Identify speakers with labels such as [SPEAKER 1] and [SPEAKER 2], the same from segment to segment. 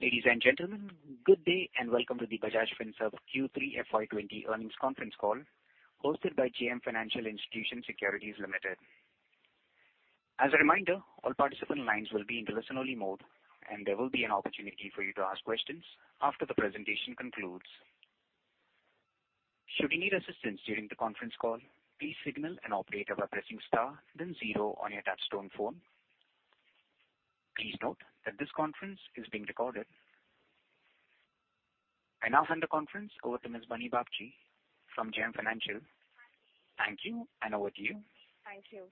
[SPEAKER 1] Ladies and gentlemen, good day and welcome to the Bajaj Finserv Q3 FY 2020 Earnings Conference Call hosted by JM Financial Institutional Securities Limited. As a reminder, all participant lines will be in listen-only mode, and there will be an opportunity for you to ask questions after the presentation concludes. Should you need assistance during the conference call, please signal an operator by pressing star then zero on your touch-tone phone. Please note that this conference is being recorded. I now hand the conference over to Ms. Bani Bagchi from JM Financial. Thank you, and over to you.
[SPEAKER 2] Thank you.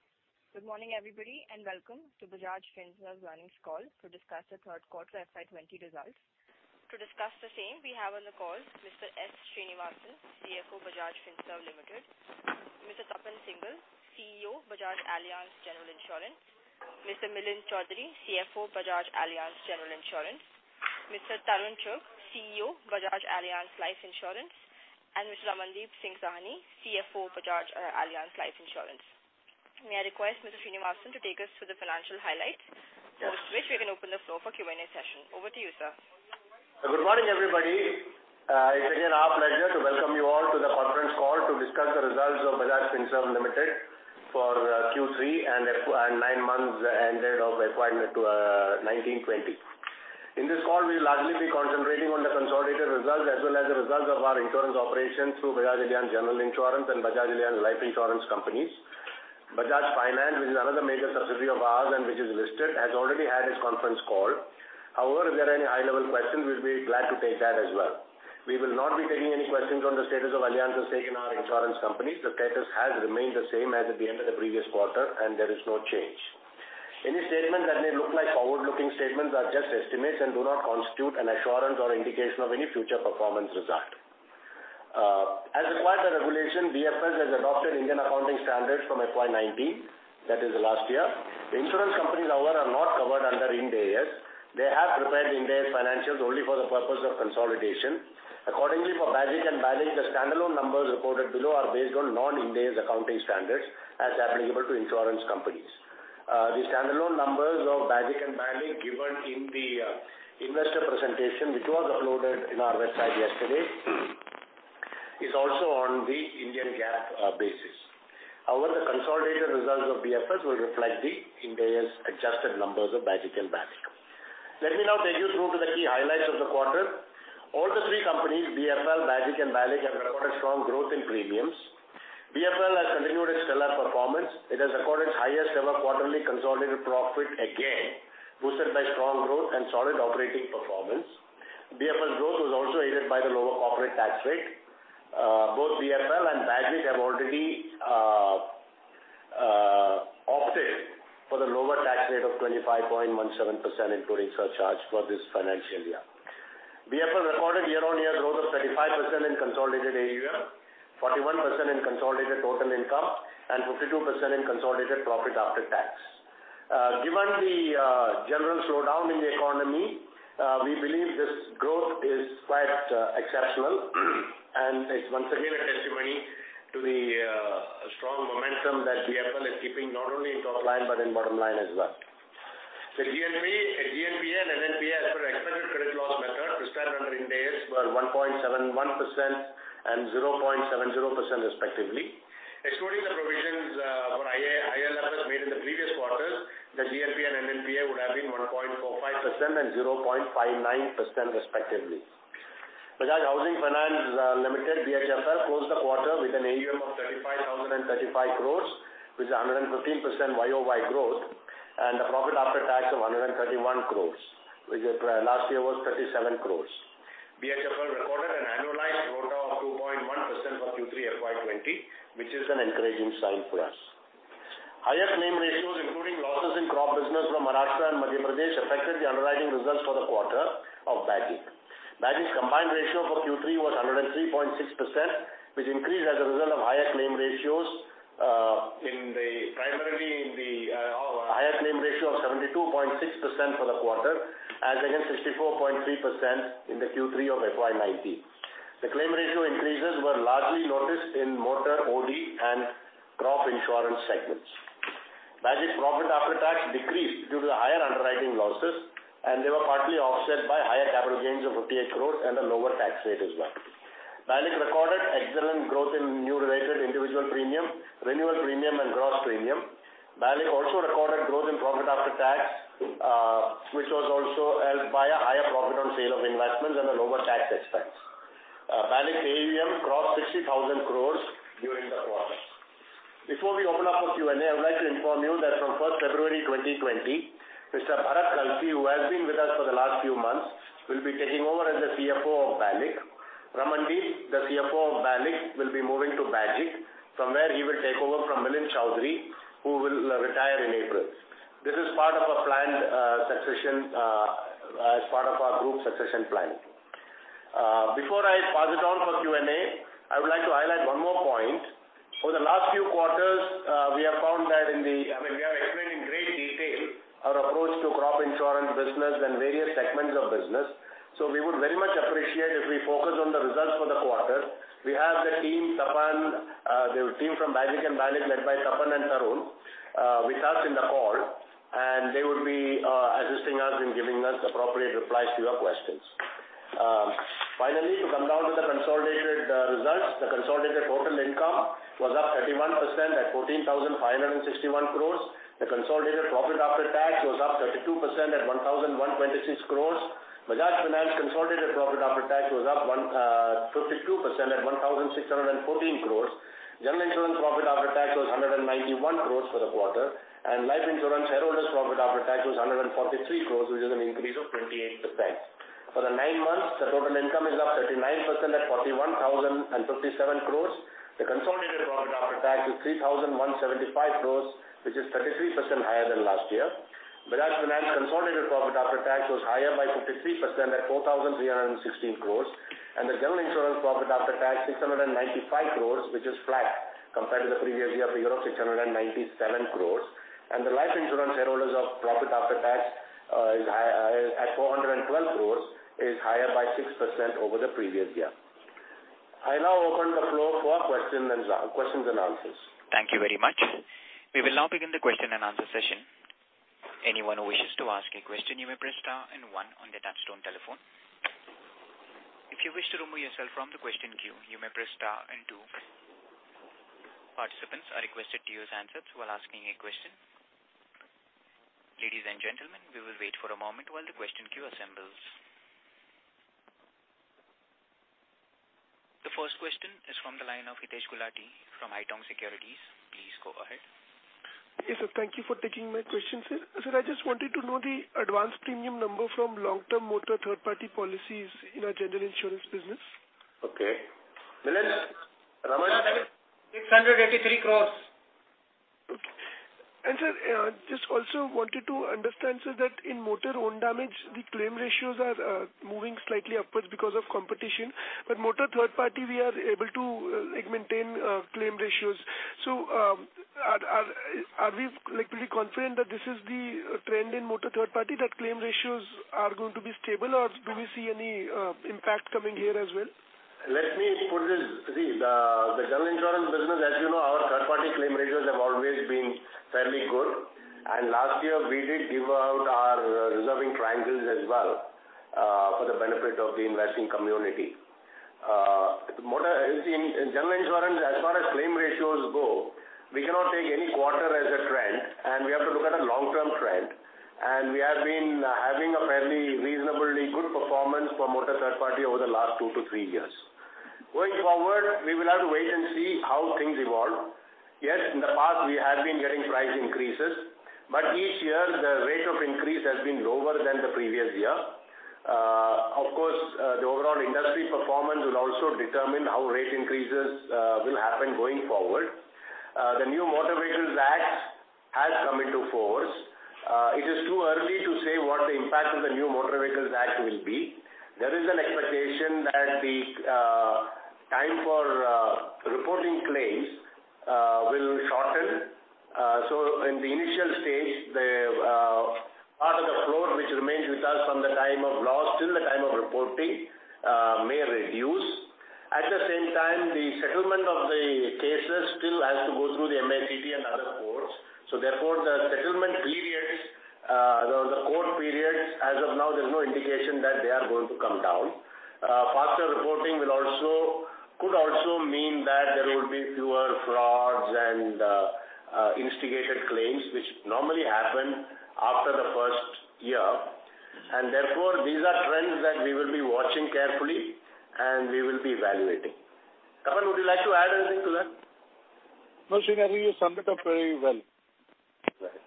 [SPEAKER 2] Good morning, everybody, welcome to Bajaj Finserv's earnings call to discuss the third quarter FY 2020 results. To discuss the same, we have on the call Mr. S. Sreenivasan, CFO, Bajaj Finserv Limited, Mr. Tapan Singhel, CEO, Bajaj Allianz General Insurance, Mr. Milind Choudhari, CFO, Bajaj Allianz General Insurance, Mr. Tarun Chugh, CEO, Bajaj Allianz Life Insurance, and Mr. Ramandeep Singh Sahni, CFO, Bajaj Allianz Life Insurance. May I request Mr. S. Sreenivasan to take us through the financial highlights, after which we can open the floor for Q&A session. Over to you, sir.
[SPEAKER 3] Good morning, everybody. It's again our pleasure to welcome you all to the conference call to discuss the results of Bajaj Finserv Limited for Q3 and nine months ended of FY 2019, 2020. In this call, we'll largely be concentrating on the consolidated results as well as the results of our insurance operations through Bajaj Allianz General Insurance and Bajaj Allianz Life Insurance companies. Bajaj Finance, which is another major subsidiary of ours and which is listed, has already had its conference call. However, if there are any high-level questions, we'll be glad to take that as well. We will not be taking any questions on the status of Allianz's stake in our insurance companies. The status has remained the same as at the end of the previous quarter, and there is no change. Any statement that may look like forward-looking statements are just estimates and do not constitute an assurance or indication of any future performance result. As required by regulation, BFS has adopted Indian accounting standards from FY 2019, that is, last year. The insurance companies, however, are not covered under Ind AS. They have prepared Ind AS financials only for the purpose of consolidation. Accordingly, for Bajaj and BALIC, the standalone numbers reported below are based on non-Ind AS accounting standards as applicable to insurance companies. The standalone numbers of Bajaj and BALIC given in the investor presentation, which was uploaded in our website yesterday, is also on the Indian GAAP basis. The consolidated results of BFS will reflect the Ind AS adjusted numbers of Bajaj and BALIC. Let me now take you through to the key highlights of the quarter. All the three companies, BFL, Bajaj, and BALIC, have recorded strong growth in premiums. BFL has continued its stellar performance. It has recorded highest-ever quarterly consolidated profit again, boosted by strong growth and solid operating performance. BFL's growth was also aided by the lower corporate tax rate. Both BFL and Bajaj have already opted for the lower tax rate of 25.17%, including surcharge for this financial year. BFL recorded year-on-year growth of 35% in consolidated AUM, 41% in consolidated total income, and 52% in consolidated profit after tax. Given the general slowdown in the economy, we believe this growth is quite exceptional and is once again a testimony to the strong momentum that BFL is keeping not only in top line but in bottom line as well. The GNPA and NNPA as per Expected Credit Loss method prescribed under Ind AS were 1.71% and 0.70% respectively. Excluding the provisions for IL&Fs made in the previous quarter, the GNPA and NNPA would have been 1.45% and 0.59% respectively. Bajaj Housing Finance Limited, BHFL, closed the quarter with an AUM of 35,035 crore, which is 115% year-over-year growth, and a profit after tax of 131 crore. Last year was 37 crore. BHFL recorded an annualized ROA of 2.1% for Q3 FY 2020, which is an encouraging sign for us. Higher claim ratios, including losses in crop business from Maharashtra and Madhya Pradesh, affected the underwriting results for the quarter of Bajaj. Bajaj combined ratio for Q3 was 103.6%, which increased as a result of higher claim ratios, primarily in the higher claim ratio of 72.6% for the quarter as against 64.3% in the Q3 of FY 2019. The claim ratio increases were largely noticed in motor, OD, and crop insurance segments. Bajaj profit after tax decreased due to the higher underwriting losses, and they were partly offset by higher capital gains of 58 crore and a lower tax rate as well. BALIC recorded excellent growth in new rated individual premium, renewal premium, and gross premium. BALIC also recorded growth in profit after tax, which was also helped by a higher profit on sale of investments and a lower tax expense. BALIC's AUM crossed 60,000 crore during the quarter. Before we open up for Q&A, I would like to inform you that from 1st February 2020, Mr. Bharat Kalsi, who has been with us for the last few months, will be taking over as the CFO of BALIC. Ramandeep, the CFO of BALIC, will be moving to Bajaj, from where he will take over from Milind Choudhari, who will retire in April. This is part of our group succession plan. Before I pass it on for Q&A, I would like to highlight one more point. Over the last few quarters, we have explained in great detail our approach to crop insurance business and various segments of business. We would very much appreciate if we focus on the results for the quarter. We have the team from Bajaj and BALIC, led by Tapan and Tarun, with us in the call, and they will be assisting us in giving us appropriate replies to your questions. Finally, to come down to the consolidated results. The consolidated total income was up 31% at 14,561 crore. The consolidated profit after tax was up 32% at 1,126 crore. Bajaj Finance consolidated profit after tax was up 52% at 1,614 crore. General Insurance profit after tax was 191 crore for the quarter, Life Insurance shareholders profit after tax was 143 crore, which is an increase of 28%. For the nine months, the total income is up 39% at 41,057 crore. The consolidated profit after tax is 3,175 crore, which is 33% higher than last year. Bajaj Finance consolidated profit after tax was higher by 53% at 4,316 crore. The General Insurance profit after tax 695 crore, which is flat compared to the previous year figure of 697 crore. The Life Insurance shareholders of profit after tax at 412 crore is higher by 6% over the previous year. I now open the floor for questions and answers.
[SPEAKER 1] Thank you very much. We will now begin the question-and-answer session. Anyone who wishes to ask a question you may press star and one on your touchtone telephone. If you wish to remove yourself from the question queue, you may press star and two. Participants are requested to use handsets while asking a question. Ladies and gentlemen, we will wait for a moment while the question queue assembles. The first question is from the line of Hitesh Gulati from Haitong Securities. Please go ahead.
[SPEAKER 4] Yes, sir. Thank you for taking my question, sir. Sir, I just wanted to know the advance premium number from long-term motor third-party policies in our general insurance business.
[SPEAKER 3] Okay. Milind, Raman?
[SPEAKER 5] It's INR 183 crores.
[SPEAKER 4] Okay. Sir, just also wanted to understand, sir, that in motor own damage, the claim ratios are moving slightly upwards because of competition, but motor third party, we are able to maintain claim ratios. Are we likely confident that this is the trend in motor third party, that claim ratios are going to be stable? Or do we see any impact coming here as well?
[SPEAKER 3] Let me put this. See, the general insurance business, as you know, our third party claim ratios have always been fairly good. Last year, we did give out our reserving triangles as well for the benefit of the investing community. General insurance, as far as claim ratios go, we cannot take any quarter as a trend, and we have to look at a long-term trend. We have been having a fairly reasonably good performance for motor third party over the last two to three years. Going forward, we will have to wait and see how things evolve. Yes, in the past, we have been getting price increases, but each year, the rate of increase has been lower than the previous year. Of course, the overall industry performance will also determine how rate increases will happen going forward. The new Motor Vehicles Act has come into force. It is too early to say what the impact of the new Motor Vehicles Act will be. There is an expectation that the time for reporting claims will shorten. In the initial stage, the part of the float, which remains with us from the time of loss till the time of reporting may reduce. At the same time, the settlement of the cases still has to go through the MACT and other courts. Therefore, the settlement periods, the court periods, as of now, there's no indication that they are going to come down. Faster reporting could also mean that there will be fewer frauds and instigated claims, which normally happen after the first year. Therefore, these are trends that we will be watching carefully and we will be evaluating. Raman, would you like to add anything to that?
[SPEAKER 6] No, Sreen, you summed it up very well.
[SPEAKER 3] All right.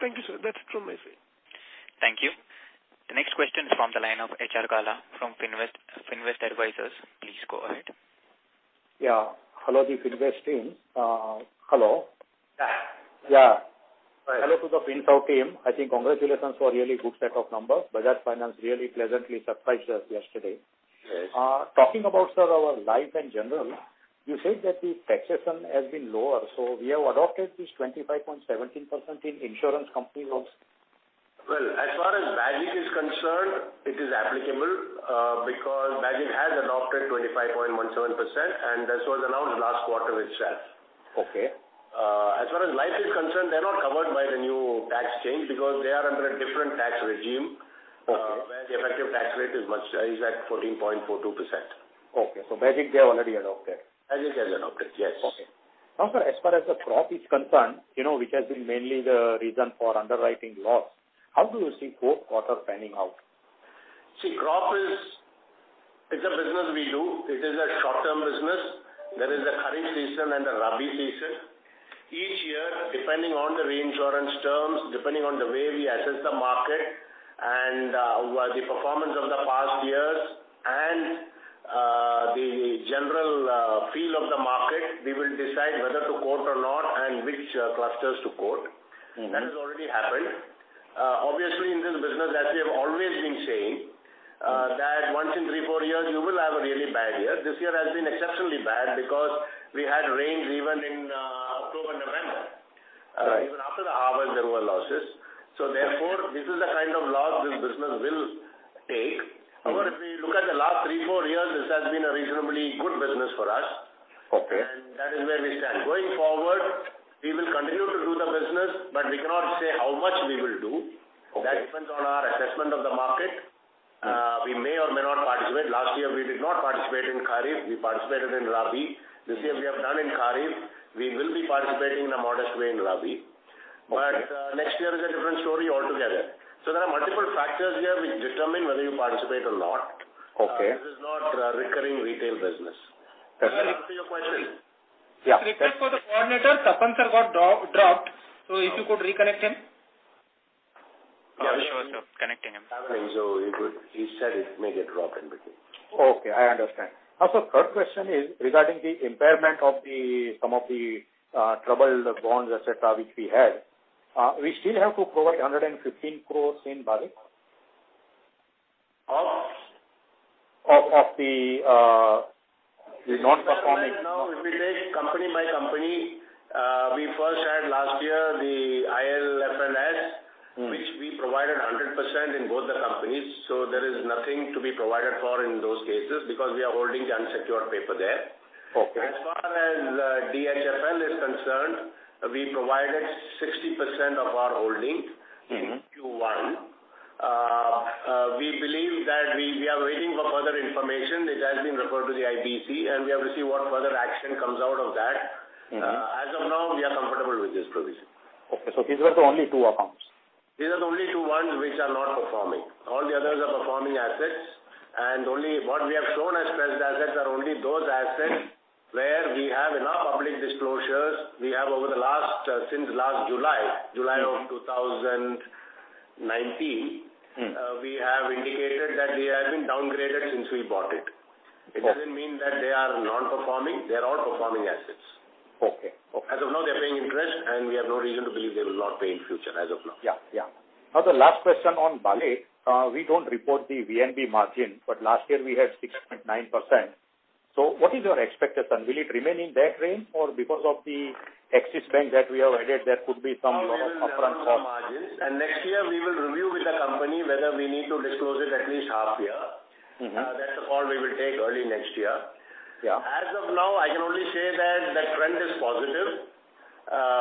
[SPEAKER 4] Thank you, sir. That's it from my side.
[SPEAKER 1] Thank you. The next question is from the line of H.R. Gala from Finvest Advisors. Please go ahead.
[SPEAKER 7] Yeah. Hello, the Finvest team. Hello.
[SPEAKER 3] Yeah.
[SPEAKER 7] Yeah. Hello to the Finserv team. I think congratulations for a really good set of numbers. Bajaj Finance really pleasantly surprised us yesterday.
[SPEAKER 3] Yes.
[SPEAKER 7] Talking about, sir, our life in general, you said that the taxation has been lower. We have adopted this 25.17% in insurance company also?
[SPEAKER 3] Well, as far as Bajaj is concerned, it is applicable because Bajaj has adopted 25.17%, and that was announced last quarter itself.
[SPEAKER 7] Okay.
[SPEAKER 3] As far as life is concerned, they're not covered by the new tax change because they are under a different tax regime.
[SPEAKER 7] Okay.
[SPEAKER 3] Where the effective tax rate is at 14.42%.
[SPEAKER 7] Okay, Bajaj, they have already adopted.
[SPEAKER 3] Bajaj has adopted, yes.
[SPEAKER 7] Okay. Now, sir, as far as the crop is concerned, which has been mainly the reason for underwriting loss, how do you see fourth quarter panning out?
[SPEAKER 3] See, crop is a business we do. It is a short-term business. There is a kharif season and a rabi season. Each year, depending on the reinsurance terms, depending on the way we assess the market and the performance of the past years and the general feel of the market, we will decide whether to quote or not and which clusters to quote. That has already happened. Obviously, in this business, as we have always been saying, that once in three, four years, you will have a really bad year. This year has been exceptionally bad because we had rains even in October and November.
[SPEAKER 7] Right.
[SPEAKER 3] Even after the harvest, there were losses. Therefore, this is the kind of loss this business will take. However, if we look at the last three, four years, this has been a reasonably good business for us.
[SPEAKER 7] Okay.
[SPEAKER 3] That is where we stand. Going forward, we will continue to do the business. We cannot say how much we will do.
[SPEAKER 7] Okay.
[SPEAKER 3] That depends on our assessment of the market. We may or may not participate. Last year, we did not participate in Kharif, we participated in Rabi. This year, we have done in Kharif, we will be participating in a modest way in Rabi.
[SPEAKER 7] Okay.
[SPEAKER 3] Next year is a different story altogether. There are multiple factors here which determine whether you participate or not.
[SPEAKER 7] Okay.
[SPEAKER 3] This is not a recurring retail business. Does that answer your question?
[SPEAKER 5] Yeah. Request for the coordinator, Tapan sir got dropped. If you could reconnect him.
[SPEAKER 1] Sure, sir. Connecting him.
[SPEAKER 3] He said it may get dropped in between.
[SPEAKER 7] Okay, I understand. Third question is regarding the impairment of some of the troubled bonds, et cetera, which we had. We still have to provide 115 crores in BALIC?
[SPEAKER 3] Of?
[SPEAKER 7] Of the non-performing.
[SPEAKER 3] As far as now, if we take company by company, we first had last year the IL&FS, which we provided 100% in both the companies. There is nothing to be provided for in those cases, because we are holding unsecured paper there.
[SPEAKER 7] Okay.
[SPEAKER 3] As far as DHFL is concerned, we provided 60% of our holding in Q1. We believe that we are waiting for further information. It has been referred to the IBC and we have to see what further action comes out of that. As of now, we are comfortable with this provision.
[SPEAKER 7] Okay. These were the only two accounts.
[SPEAKER 3] These are the only two ones which are not performing. All the others are performing assets. What we have shown as stressed assets are only those assets where we have enough public disclosures. We have since last July 2019, we have indicated that they have been downgraded since we bought it.
[SPEAKER 7] Okay.
[SPEAKER 3] It doesn't mean that they are non-performing. They're all performing assets.
[SPEAKER 7] Okay.
[SPEAKER 3] As of now, they're paying interest, and we have no reason to believe they will not pay in future as of now.
[SPEAKER 7] Yeah. The last question on BALIC. We don't report the VNB margin, last year we had 6.9%. What is your expectation? Will it remain in that range or because of the Axis Bank that we have added, there could be some lot of upfront cost?
[SPEAKER 3] Next year we will review with the company whether we need to disclose it at least half year. That's a call we will take early next year.
[SPEAKER 7] Yeah.
[SPEAKER 3] As of now, I can only say that the trend is positive.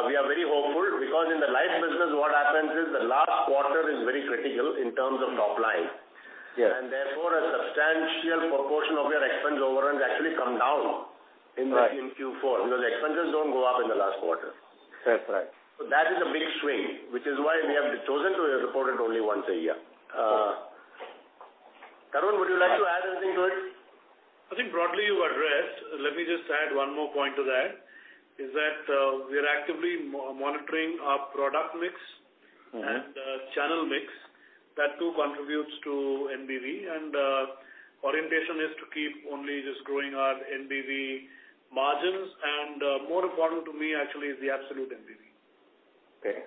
[SPEAKER 3] We are very hopeful because in the life business what happens is the last quarter is very critical in terms of top line.
[SPEAKER 7] Yes.
[SPEAKER 3] Therefore, a substantial proportion of your expense overruns actually come down in Q4 because the expenses don't go up in the last quarter.
[SPEAKER 7] That's right.
[SPEAKER 3] That is a big swing, which is why we have chosen to report it only once a year. Tarun, would you like to add anything to it?
[SPEAKER 8] I think broadly you addressed. Let me just add one more point to that, is that we are actively monitoring our product mix and channel mix. That too contributes to NBV and orientation is to keep only just growing our NBV margins and more important to me actually is the absolute NBV.
[SPEAKER 7] Okay.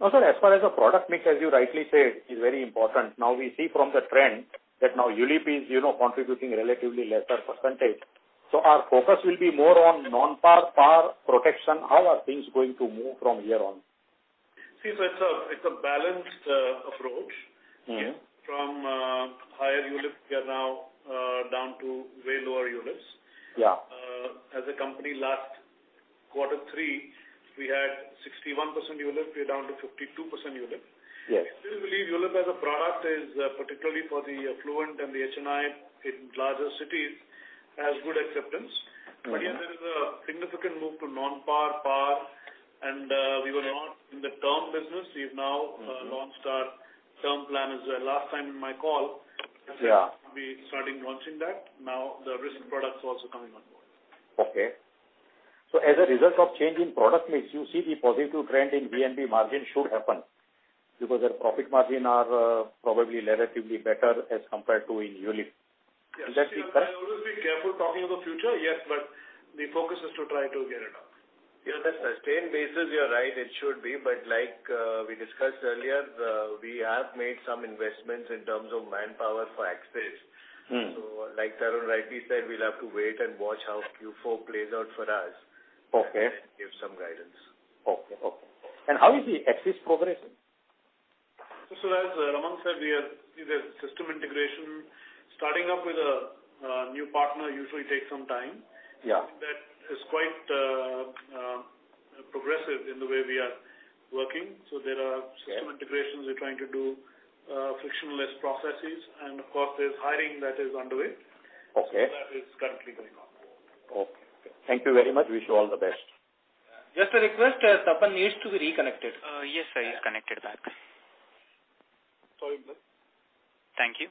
[SPEAKER 7] Also, as far as the product mix, as you rightly said, is very important. Now we see from the trend that now ULIP is contributing relatively lesser %. Our focus will be more on non-par, par protection. How are things going to move from here on?
[SPEAKER 8] See, it's a balanced approach.
[SPEAKER 7] Yeah.
[SPEAKER 8] From higher ULIP, we are now down to way lower ULIPs.
[SPEAKER 7] Yeah.
[SPEAKER 8] As a company last quarter three, we had 61% ULIP, we are down to 52% ULIP.
[SPEAKER 7] Yes.
[SPEAKER 8] We believe ULIP as a product is particularly for the affluent and the HNI in larger cities, has good acceptance. Yes, there is a significant move to non-par, par, and we were not in the term business. We've now launched our term plan. Last time in my call we starting launching that. Now the risk product's also coming on board.
[SPEAKER 7] Okay. As a result of change in product mix, you see the positive trend in VNB margin should happen because their profit margin are probably relatively better as compared to in ULIP. Is that correct?
[SPEAKER 8] I always be careful talking of the future. Yes, the focus is to try to get it up.
[SPEAKER 3] Yeah. On a sustained basis, you're right, it should be. Like we discussed earlier, we have made some investments in terms of manpower for Axis. Like Tarun rightly said, we'll have to wait and watch how Q4 plays out for us and give some guidance.
[SPEAKER 7] Okay. How is the Axis progressing?
[SPEAKER 8] As Raman said, we have system integration. Starting up with a new partner usually takes some time.
[SPEAKER 7] Yeah.
[SPEAKER 8] That is quite progressive in the way we are working. There are system integrations we're trying to do, frictionless processes, and of course, there's hiring that is underway.
[SPEAKER 7] Okay.
[SPEAKER 8] That is currently going on.
[SPEAKER 7] Okay. Thank you very much. Wish you all the best.
[SPEAKER 1] Just a request, Tapan needs to be reconnected. Yes, sir. He's connected back.
[SPEAKER 9] Sorry about that.
[SPEAKER 1] Thank you.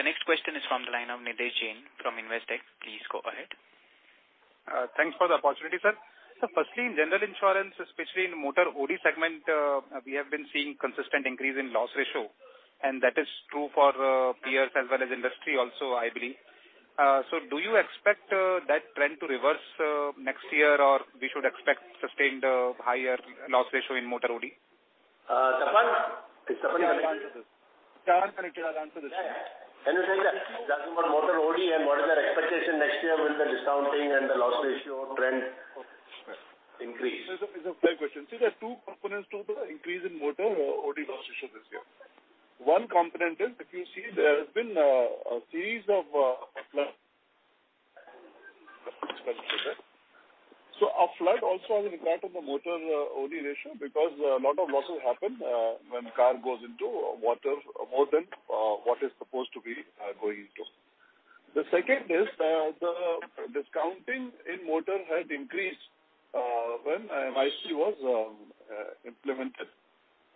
[SPEAKER 1] The next question is from the line of Nidhesh Jain from Investec. Please go ahead.
[SPEAKER 10] Thanks for the opportunity, sir. Sir, firstly, in general insurance, especially in motor OD segment, we have been seeing consistent increase in loss ratio, and that is true for peers as well as industry also, I believe. Do you expect that trend to reverse next year, or we should expect sustained higher loss ratio in motor OD?
[SPEAKER 3] Tapan? It's Tapan who can answer this.
[SPEAKER 9] Tarun can actually answer this.
[SPEAKER 8] Can you say that? Talking about motor OD and what is our expectation next year with the discounting and the loss ratio trend increase.
[SPEAKER 9] It's a fair question. See, there are two components to the increase in motor OD loss ratio this year. A flood also has an impact on the motor only ratio because a lot of losses happen when car goes into water more than what is supposed to be going into. The second is, the discounting in motor had increased when IC was implemented.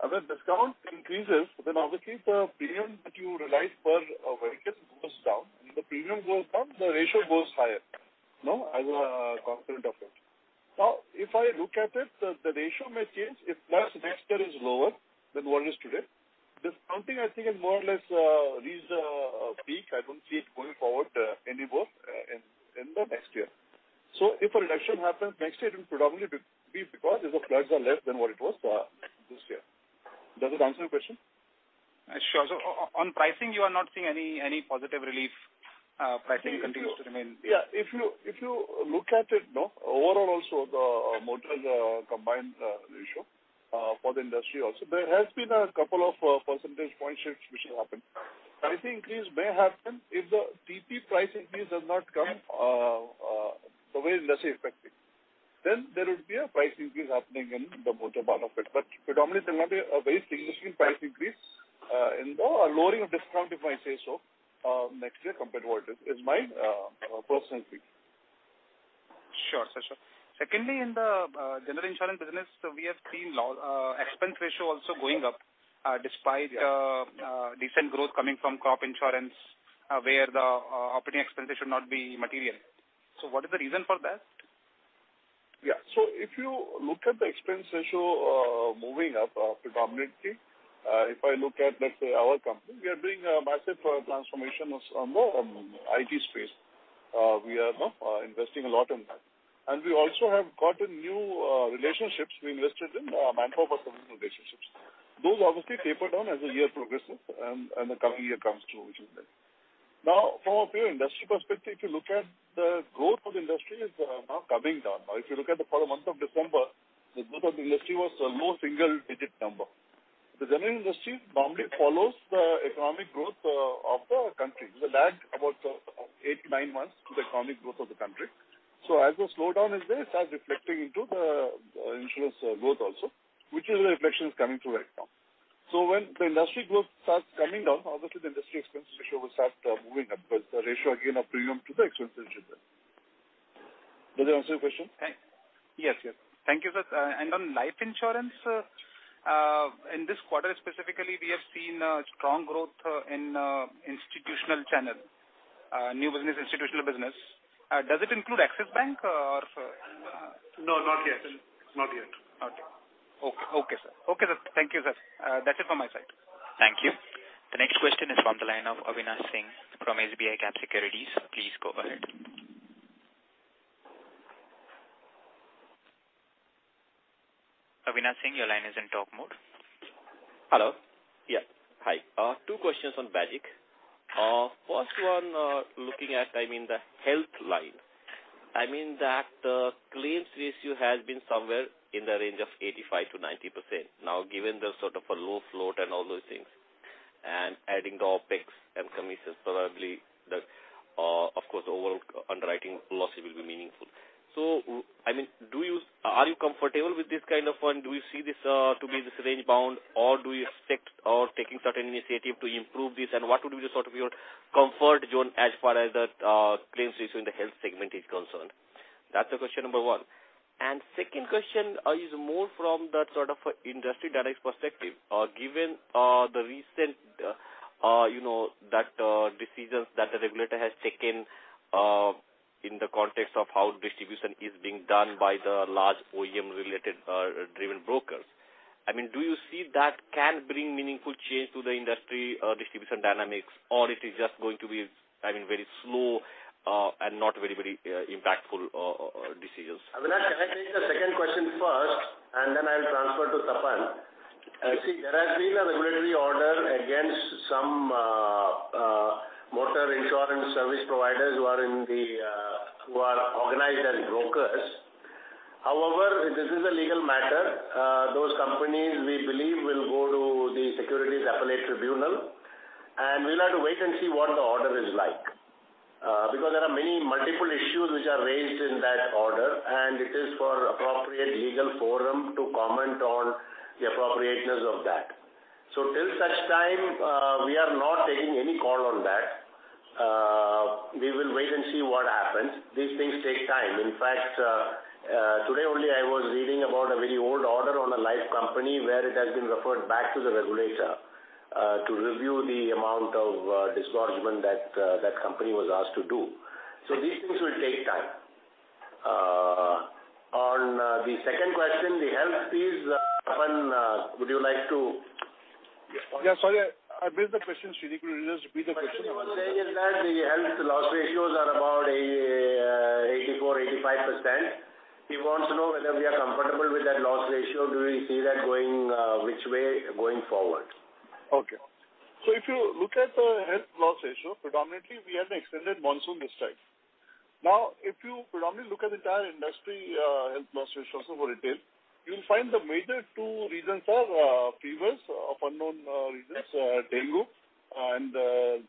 [SPEAKER 9] As the discount increases, then obviously the premium that you realize per vehicle goes down. When the premium goes down, the ratio goes higher as a component of it. If I look at it, the ratio may change if next year is lower than what it is today. Discounting, I think, has more or less reached a peak. I don't see it going forward any more in the next year. If a reduction happens next year, it will predominantly be because the floods are less than what it was this year. Does it answer your question?
[SPEAKER 10] Sure. On pricing, you are not seeing any positive relief? Pricing continues to remain.
[SPEAKER 9] Yeah. If you look at it now, overall also, the motor combined ratio for the industry also, there has been a couple of percentage point shifts which have happened. Pricing increase may happen if the TP price increase does not come the way industry expects it. There would be a price increase happening in the motor part of it. Predominantly, it's not a very significant price increase in the lowering of discount, if I say so, next year compared to what it is. It's my personal view.
[SPEAKER 10] Sure. Secondly, in the general insurance business, we have seen expense ratio also going up despite decent growth coming from crop insurance, where the operating expense ratio not be material. What is the reason for that?
[SPEAKER 9] If you look at the expense ratio moving up predominantly, if I look at, let's say our company, we are doing a massive transformation on the IT space. We are investing a lot in that. We also have gotten new relationships. We invested in manpower for some new relationships. Those obviously taper down as the year progresses and the coming year comes through. From a pure industry perspective, if you look at the growth of the industry is now coming down. If you look at the month of December, the growth of the industry was a low single-digit number. The general industry normally follows the economic growth of the country with a lag about eight, nine months to the economic growth of the country. As the slowdown is there, it starts reflecting into the insurance growth also, which is the reflections coming through right now. When the industry growth starts coming down, obviously the industry expense ratio will start moving up because the ratio again of premium to the expense ratio. Does it answer your question?
[SPEAKER 10] Yes. Thank you, sir. On life insurance, in this quarter specifically, we have seen strong growth in institutional channel, new business, institutional business. Does it include Axis Bank or?
[SPEAKER 9] No, not yet.
[SPEAKER 10] Okay. Okay, sir. Thank you, sir. That's it from my side.
[SPEAKER 1] Thank you. The next question is from the line of Avinash Singh from SBICAP Securities Limited. Please go ahead. Avinash Singh, your line is in talk mode.
[SPEAKER 11] Hello. Yeah. Hi. Two questions on Bajaj. First one, looking at the health line. That the claims ratio has been somewhere in the range of 85%-90%. Given the sort of a low float and all those things, and adding the OpEx and commissions, probably the, of course, overall underwriting loss will be meaningful. Are you comfortable with this kind of fund? Do you see this to be this range bound, or do you expect or taking certain initiative to improve this? What would be just sort of your comfort zone as far as the claims ratio in the health segment is concerned? That's the question number one. Second question is more from the sort of industry dynamics perspective. Given the recent decisions that the regulator has taken in the context of how distribution is being done by the large OEM related driven brokers. Do you see that can bring meaningful change to the industry distribution dynamics, or it is just going to be very slow and not very impactful decisions?
[SPEAKER 8] Avinash, can I take the second question first, then I'll transfer to Tapan. See, there has been a regulatory order against some motor insurance service providers who are organized as brokers. However, this is a legal matter. Those companies, we believe, will go to the Securities Appellate Tribunal, and we'll have to wait and see what the order is like. There are many multiple issues which are raised in that order, and it is for appropriate legal forum to comment on the appropriateness of that. Till such time, we are not taking any call on that. We will wait and see what happens. These things take time. In fact, today only I was reading about a very old order on a life company where it has been referred back to the regulator to review the amount of disgorgement that that company was asked to do. These things will take time. On the second question, the health piece, Tapan, would you like to.
[SPEAKER 9] Yeah, sorry. I missed the question, Sreenivasan. Could you just repeat the question?
[SPEAKER 8] The question he was saying is that the health loss ratios are about 84%, 85%. He wants to know whether we are comfortable with that loss ratio. Do we see that going which way going forward?
[SPEAKER 9] Okay. If you look at the health loss ratio, predominantly, we had an extended monsoon this time. If you predominantly look at the entire industry health loss ratio for retail, you will find the major two reasons are fevers of unknown reasons, dengue and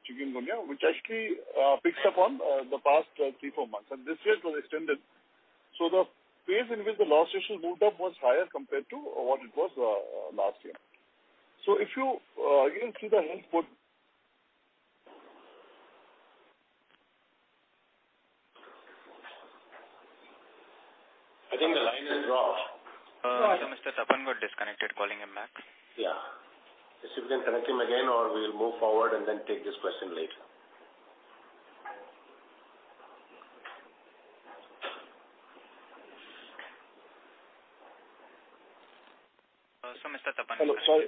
[SPEAKER 9] chikungunya, which actually picked up on the past three, four months, and this year it was extended. The pace in which the loss ratio moved up was higher compared to what it was last year. If you again see the health port.
[SPEAKER 11] I think the line has dropped.
[SPEAKER 1] Mr. Tapan got disconnected. Calling him back.
[SPEAKER 3] Yeah. Just see if you can connect him again, or we'll move forward and then take this question later.
[SPEAKER 1] Mr. Tapan.
[SPEAKER 9] Hello. Sorry.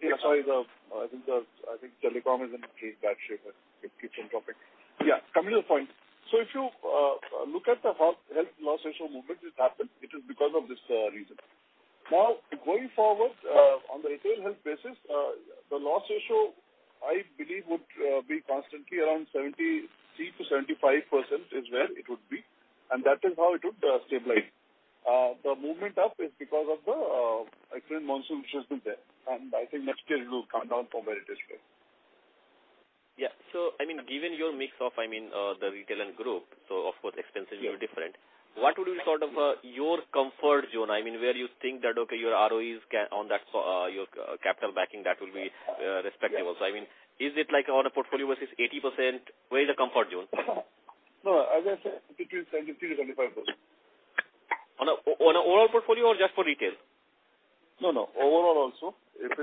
[SPEAKER 9] I think telecom is in a pretty bad shape. It keeps on dropping. Coming to the point. If you look at the health loss ratio movement, which happened, it is because of this reason. Going forward, on the retail health basis, the loss ratio, I believe, would be constantly around 73%-75% is where it would be, and that is how it would stabilize. The movement up is because of the extreme monsoon, which has been there, and I think next year it will come down from where it is today.
[SPEAKER 11] Given your mix of the retail and group, of course, expenses will be different. What will be sort of your comfort zone, where you think that, okay, your ROEs on your capital backing, that will be respectable? Is it like on a portfolio versus 80%? Where is the comfort zone?
[SPEAKER 9] No, as I said, between 73%-75%.
[SPEAKER 11] On an overall portfolio or just for retail?
[SPEAKER 9] No, no. Overall also. If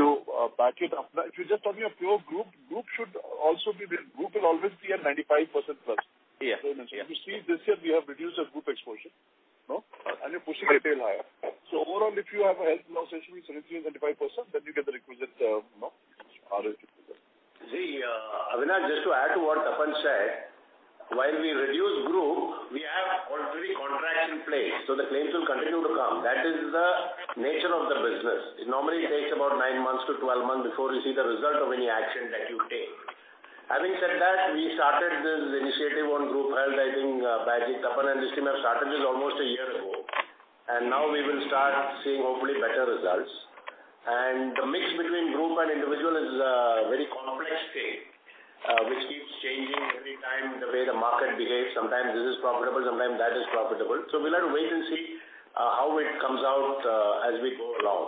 [SPEAKER 9] you're just talking of pure group will always be at 95%+.
[SPEAKER 11] Yeah.
[SPEAKER 9] You see, this year we have reduced our group exposure and are pushing retail higher. Overall, if you have a health loss ratio between 73% and 75%, you get the requisite ROE.
[SPEAKER 8] Avinash, just to add to what Tapan said, while we reduce group, we have already contracts in place, so the claims will continue to come. That is the nature of the business. It normally takes about nine months to 12 months before you see the result of any action that you take. Having said that, we started this initiative on group health, I think, Bajaj, Tapan, and the team have started this almost a year ago, and now we will start seeing hopefully better results. The mix between group and individual is a very complex thing, which keeps changing every time the way the market behaves. Sometimes this is profitable, sometimes that is profitable. We'll have to wait and see how it comes out as we go along.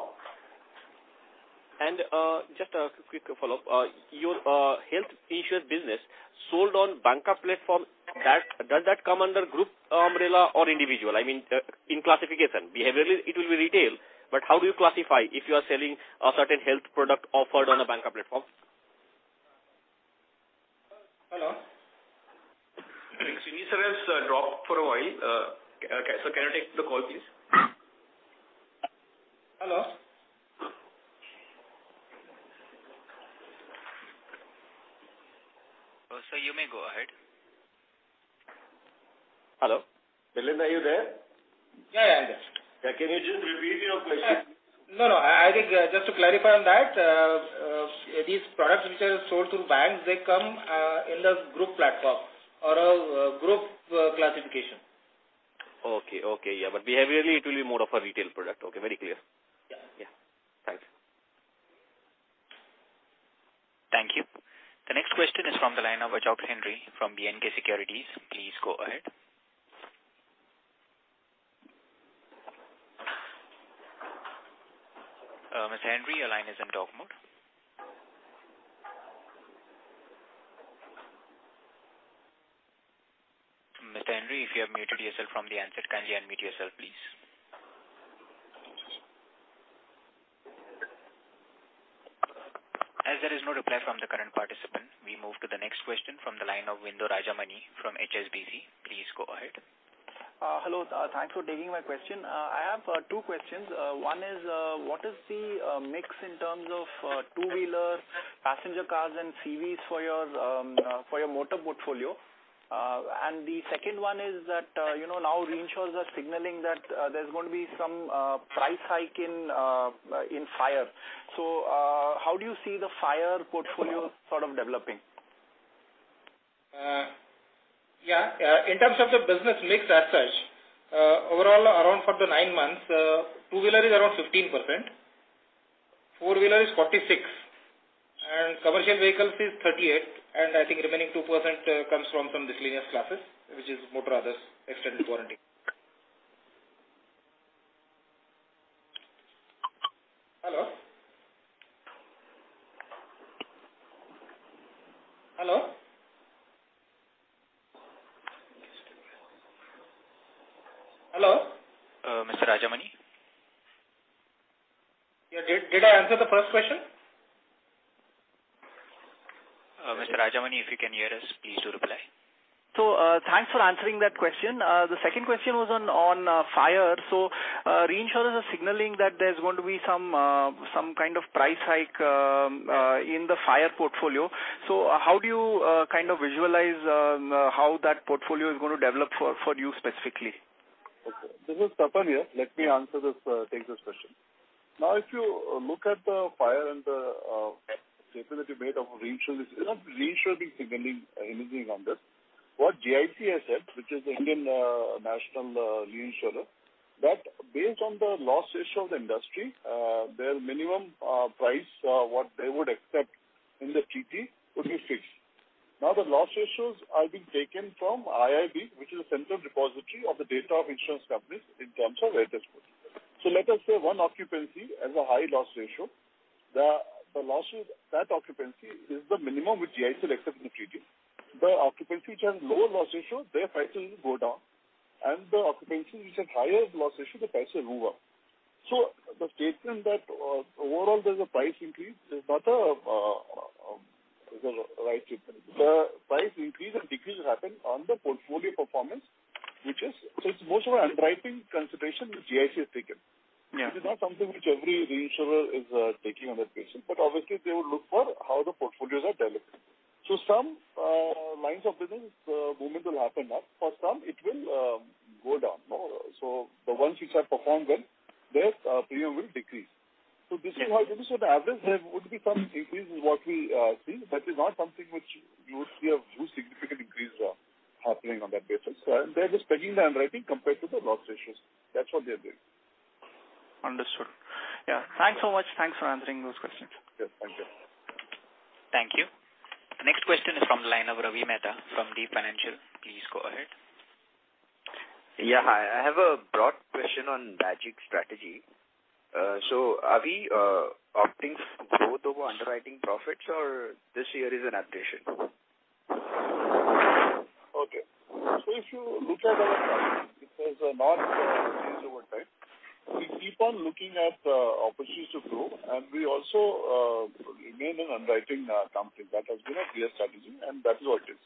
[SPEAKER 11] Just a quick follow-up. Your health insurance business sold on banker platform, does that come under group umbrella or individual? In classification. Behaviorally, it will be retail, but how do you classify if you are selling a certain health product offered on a banker platform?
[SPEAKER 5] Hello?
[SPEAKER 11] I think Sreen has dropped for a while. Sir, can I take the call, please?
[SPEAKER 3] Hello.
[SPEAKER 1] Sir, you may go ahead.
[SPEAKER 3] Hello. Milind, are you there?
[SPEAKER 5] Yeah. I'm there.
[SPEAKER 3] Can you just repeat your question?
[SPEAKER 5] No, no. I think just to clarify on that, these products which are sold through banks, they come in the group platform or a group classification.
[SPEAKER 9] Okay. Yeah. Behaviorally, it will be more of a retail product. Okay. Very clear.
[SPEAKER 5] Yeah.
[SPEAKER 11] Yeah. Thanks.
[SPEAKER 1] Thank you. The next question is from the line of Achal Henry from BNK Securities. Please go ahead. Mr. Henry, your line is in talk mode. Mr. Henry, if you have muted yourself from the answer, kindly unmute yourself, please. As there is no reply from the current participant, we move to the next question from the line of Bindu Rajamani from HSBC. Please go ahead.
[SPEAKER 12] Hello. Thanks for taking my question. I have two questions. One is, what is the mix in terms of two-wheeler passenger cars and CVs for your motor portfolio? The second one is that, now reinsurers are signaling that there's going to be some price hike in fire. How do you see the fire portfolio sort of developing?
[SPEAKER 9] Yeah. In terms of the business mix as such, overall around for the nine months, two-wheeler is around 15%, four-wheeler is 46%, commercial vehicles is 38%, I think remaining 2% comes from some miscellaneous classes, which is motor others, extended warranty. Hello.
[SPEAKER 1] Mr. Rajamani.
[SPEAKER 9] Did I answer the first question?
[SPEAKER 1] Mr. Rajamani, if you can hear us, please do reply.
[SPEAKER 12] Thanks for answering that question. The second question was on fire. Reinsurers are signaling that there's going to be some kind of price hike in the fire portfolio. How do you visualize how that portfolio is going to develop for you specifically?
[SPEAKER 9] This is Tapan here. Let me answer this question. If you look at the fire and the statement that we made of reinsurance, there's no reinsuring signaling anything on this. What GIC has said, which is the Indian national reinsurer, that based on the loss ratio of the industry, their minimum price, what they would accept in the treaty would be fixed. The loss ratios are being taken from IIB, which is a central repository of the data of insurance companies in terms of ratios. Let us say one occupancy has a high loss ratio. The loss of that occupancy is the minimum which GIC will accept in the treaty. The occupancies which have lower loss ratio, their prices will go down, the occupancies which have higher loss ratio, the prices will go up. The statement that overall there's a price increase is not a right statement. The price increase and decrease will happen on the portfolio performance. It's most of our underwriting consideration which GIC has taken.
[SPEAKER 12] Yeah.
[SPEAKER 9] It is not something which every reinsurer is taking on that basis, but obviously they would look for how the portfolios are developing. Some lines of business movement will happen now. For some it will go down. The ones which have performed well, their premium will decrease. This is how, this is what the average there would be some increase in what we see, but it's not something which you would see a huge significant increase happening on that basis. They're just pegging the underwriting compared to the loss ratios. That's what they're doing.
[SPEAKER 12] Understood. Yeah. Thanks so much. Thanks for answering those questions.
[SPEAKER 9] Yes. Thank you.
[SPEAKER 1] Thank you. The next question is from the line of Ravi Mehta from Deep Financial. Please go ahead.
[SPEAKER 13] Yeah. Hi. I have a broad question on BAGIC strategy. Are we opting for growth over underwriting profits or this year is an aberration?
[SPEAKER 9] Okay. If you look at our growth, it has not increased over time. We keep on looking at opportunities to grow, and we also remain an underwriting company. That has been our clear strategy, and that is what it is.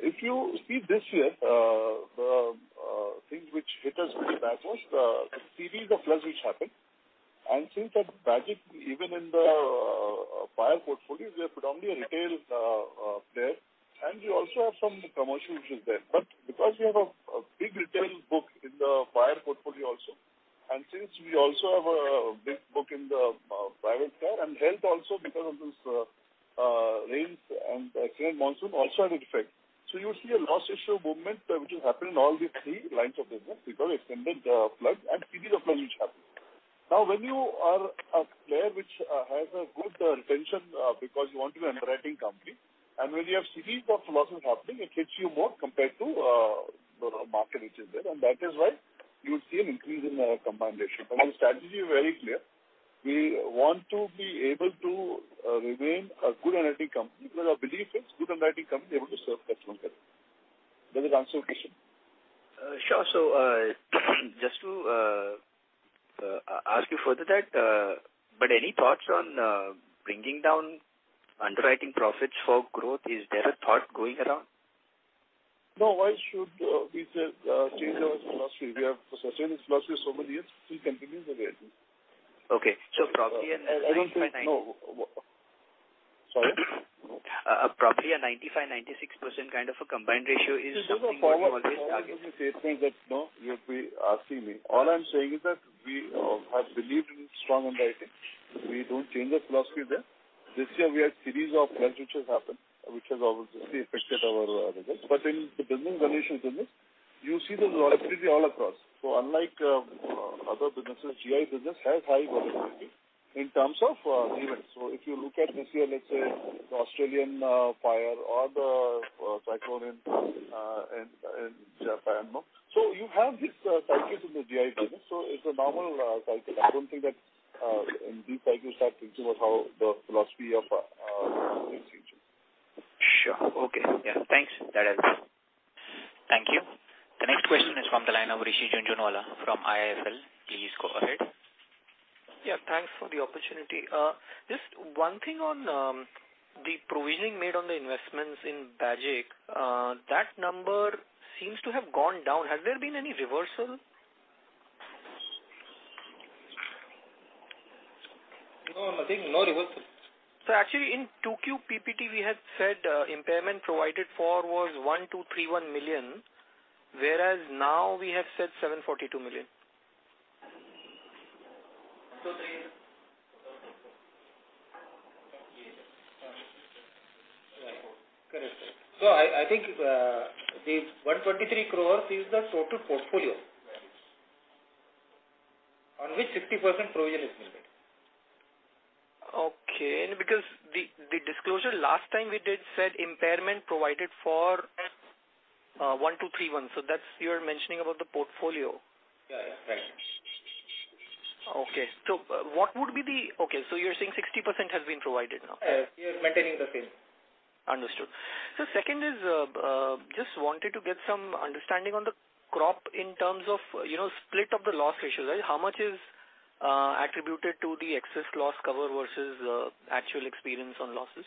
[SPEAKER 9] If you see this year, the thing which hit us the most, the series of floods which happened. Since at BAGIC, even in the fire portfolios, we are predominantly a retail player. We also have some commercial which is there. Because we have a big retail book in the fire portfolio also, and since we also have a big book in the private car and health also because of this rains and extreme monsoon also had an effect. You see a loss ratio movement which is happening in all these three lines of business because extended flood and series of flood which happened. When you are a player which has a good retention because you want to be underwriting company, when you have series of losses happening, it hits you more compared to the market which is there, and that is why you see an increase in our combined ratio. Our strategy is very clear. We want to be able to remain a good underwriting company because our belief is good underwriting company able to serve customer. Does it answer your question?
[SPEAKER 13] Sure. Just to ask you further that, any thoughts on bringing down underwriting profits for growth? Is there a thought going around?
[SPEAKER 9] No. Why should we change our philosophy? We have sustained this philosophy so many years, we'll continue the way it is.
[SPEAKER 13] Okay. probably a 95%.
[SPEAKER 9] I don't think. Sorry?
[SPEAKER 13] Probably a 95%-96% kind of a combined ratio is something what you always target.
[SPEAKER 9] This is a forward-looking statement that you'd be asking me. All I'm saying is that we have believed in strong underwriting. We don't change our philosophy there. This year we had series of floods which has happened, which has obviously affected our results. In the business valuation business, you see this volatility all across. Unlike other businesses, GI business has high volatility in terms of events. If you look at this year, let's say the Australian fire or the cyclone in Japan. You have these cycles in the GI business, it's a normal cycle. I don't think that in these cycles start thinking about how the philosophy of BAGIC changes.
[SPEAKER 13] Sure. Okay. Yeah. Thanks. That helps.
[SPEAKER 1] Thank you. The next question is from the line of Rishi Jhunjhunwala from IIFL. Please go ahead.
[SPEAKER 14] Yeah. Thanks for the opportunity. Just one thing on the provisioning made on the investments in BAGIC. That number seems to have gone down. Has there been any reversal?
[SPEAKER 3] No, nothing. No reversal.
[SPEAKER 14] Actually in 2Q PPT we had said impairment provided for was 1,231 million, whereas now we have said 742 million.
[SPEAKER 3] Three. Correct. I think the 123 crores is the total portfolio. On which 60% provision is made.
[SPEAKER 14] Okay. Because the disclosure last time we did said impairment provided for 1,231. That's you're mentioning about the portfolio.
[SPEAKER 3] Yeah.
[SPEAKER 14] Okay. You're saying 60% has been provided now?
[SPEAKER 9] Yes. We are maintaining the same.
[SPEAKER 14] Understood. Second is, just wanted to get some understanding on the crop in terms of split of the loss ratio. How much is attributed to the excess loss cover versus actual experience on losses?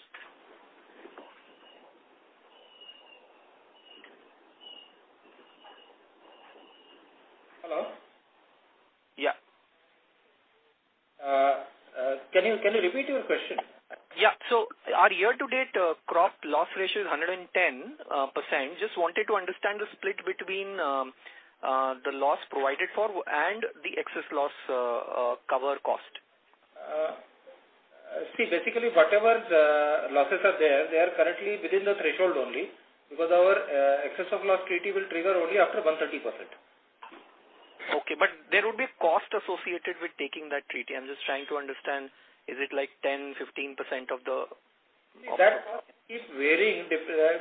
[SPEAKER 5] Hello?
[SPEAKER 14] Yeah.
[SPEAKER 5] Can you repeat your question?
[SPEAKER 14] Yeah. Our year-to-date crop loss ratio is 110%. Just wanted to understand the split between the loss provided for and the excess loss cover cost.
[SPEAKER 5] Basically whatever the losses are there, they are currently within the threshold only because our excess of loss treaty will trigger only after 130%.
[SPEAKER 14] Okay. There would be cost associated with taking that treaty. I'm just trying to understand, is it 10%, 15%.
[SPEAKER 5] That cost keeps varying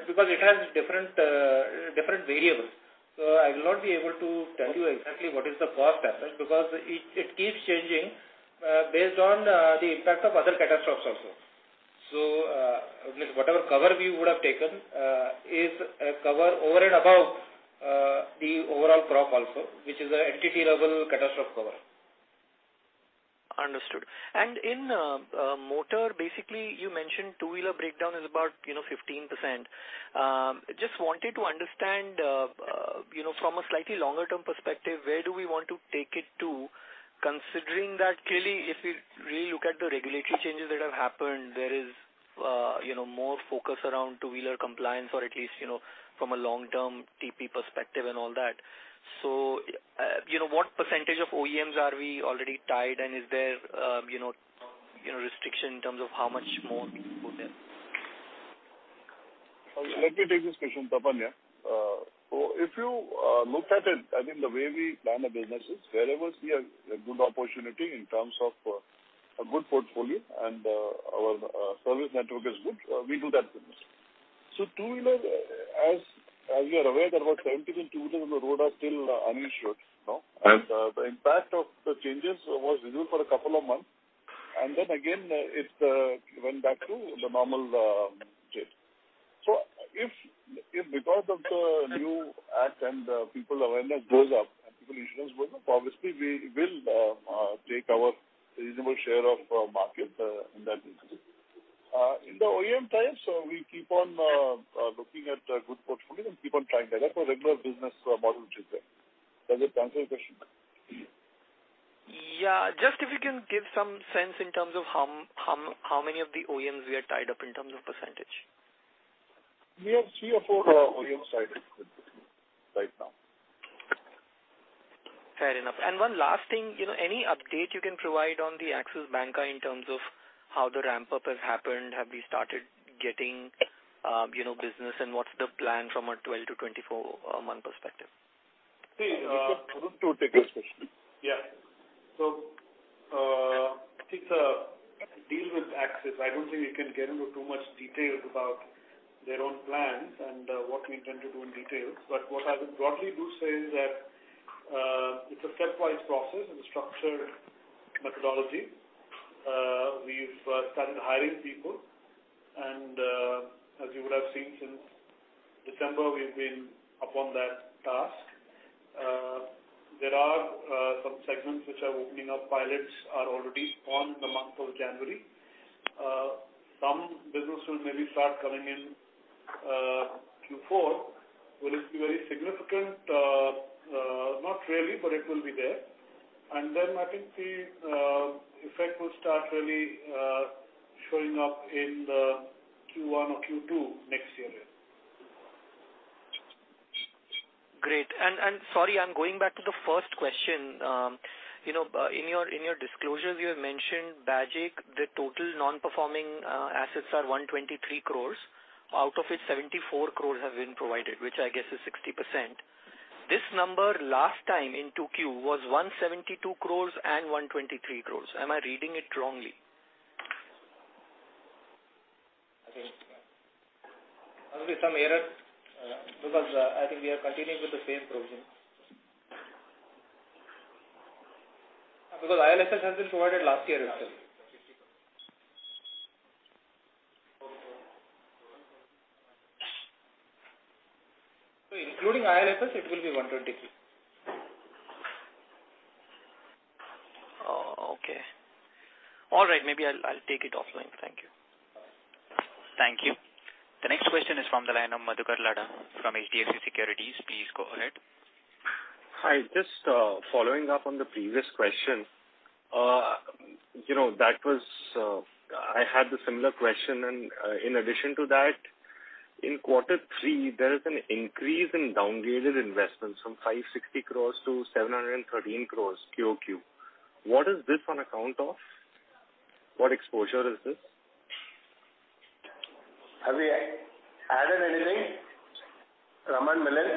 [SPEAKER 5] because it has different variables. I will not be able to tell you exactly what is the cost aspect because it keeps changing based on the impact of other catastrophes also. Whatever cover we would have taken is a cover over and above the overall crop also, which is an entity-level catastrophe cover.
[SPEAKER 14] Understood. In motor, basically you mentioned two-wheeler breakdown is about 15%. Just wanted to understand from a slightly longer term perspective, where do we want to take it to considering that clearly if we really look at the regulatory changes that have happened, there is more focus around two-wheeler compliance or at least from a long-term TP perspective and all that. What percentage of OEMs are we already tied and is there restriction in terms of how much more we can go there?
[SPEAKER 9] Let me take this question, Tapan. If you look at it, I think the way we plan the business is wherever we have a good opportunity in terms of a good portfolio and our service network is good, we do that business. Two-wheeler, as you are aware, there were 17 million two-wheelers on the road are still uninsured.
[SPEAKER 14] Right.
[SPEAKER 9] The impact of the changes was visible for a couple of months, and then again, it went back to the normal state. If because of the new act and people awareness goes up and people insurance goes up, obviously we will take our reasonable share of market in that business. In the OEM tie, we keep on looking at good portfolios and keep on trying that. That's a regular business model which is there. Does it answer your question?
[SPEAKER 14] Yeah. Just if you can give some sense in terms of how many of the OEMs we are tied up in terms of percentage?
[SPEAKER 9] We have three or four OEMs tied right now.
[SPEAKER 14] Fair enough. One last thing, any update you can provide on the Axis Bank in terms of how the ramp-up has happened? Have you started getting business and what's the plan from a 12-24-month perspective?
[SPEAKER 3] Rupesh will take this question.
[SPEAKER 15] Yeah. It's a deal with Axis. I don't think we can get into too much details about their own plans and what we intend to do in details. What I would broadly do say is that it's a stepwise process and a structured methodology. We've started hiring people and as you would have seen since December, we've been upon that task. There are some segments which are opening up. Pilots are already on the month of January. Some business will maybe start coming in Q4. Will it be very significant? Not really, but it will be there. Then I think the effect will start really showing up in the Q1 or Q2 next year.
[SPEAKER 14] Great. Sorry, I am going back to the first question. In your disclosures, you have mentioned BAGIC, the total non-performing assets are 123 crores, out of which 74 crores have been provided, which I guess is 60%. This number last time in 2Q was 172 crores and 123 crores. Am I reading it wrongly?
[SPEAKER 3] I think there must be some error because I think we are continuing with the same provision. IL&FS has been provided last year itself. Including IL&FS, it will be 123.
[SPEAKER 14] Oh, okay. All right. Maybe I'll take it offline. Thank you.
[SPEAKER 1] Thank you. The next question is from the line of Madhukar Ladha from HDFC Securities. Please go ahead.
[SPEAKER 16] Hi. Just following up on the previous question. I had the similar question and in addition to that, in quarter three, there is an increase in downgraded investments from 560 crores to 713 crores QOQ. What is this on account of? What exposure is this?
[SPEAKER 3] Have we added anything, Raman, Milind?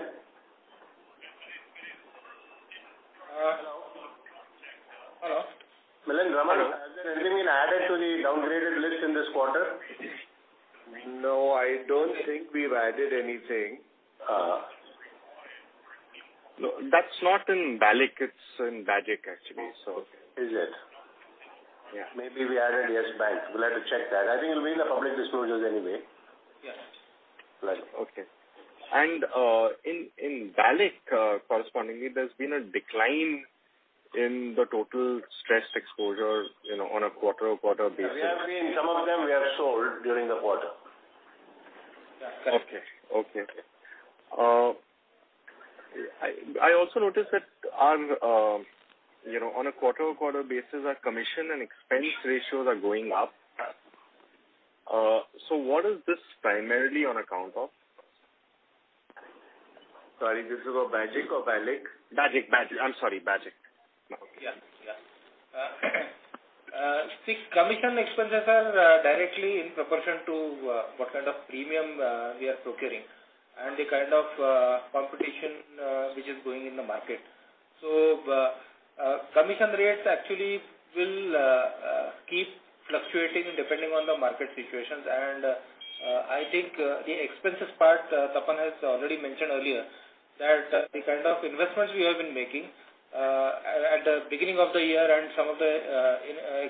[SPEAKER 5] Hello.
[SPEAKER 3] Milind, Raman, has anything been added to the downgraded list in this quarter?
[SPEAKER 5] No, I don't think we've added anything. No, that's not in BALIC, it's in BAGIC actually.
[SPEAKER 3] Is it?
[SPEAKER 5] Yeah. Maybe we added Yes Bank. We'll have to check that. I think it'll be in the public disclosures anyway.
[SPEAKER 9] Yeah.
[SPEAKER 3] Right.
[SPEAKER 16] Okay. In BALIC correspondingly, there's been a decline in the total stressed exposure on a quarter-on-quarter basis.
[SPEAKER 3] Some of them we have sold during the quarter.
[SPEAKER 16] I also noticed that on a quarter-over-quarter basis, our commission and expense ratios are going up. What is this primarily on account of?
[SPEAKER 3] Sorry, this is about Bajaj or BALIC? Bajaj. I'm sorry, Bajaj.
[SPEAKER 9] Yeah. See, commission expenses are directly in proportion to what kind of premium we are procuring and the kind of competition which is going in the market. Commission rates actually will keep fluctuating depending on the market situations. I think the expenses part Tapan has already mentioned earlier, that the kind of investments we have been making at the beginning of the year and some of the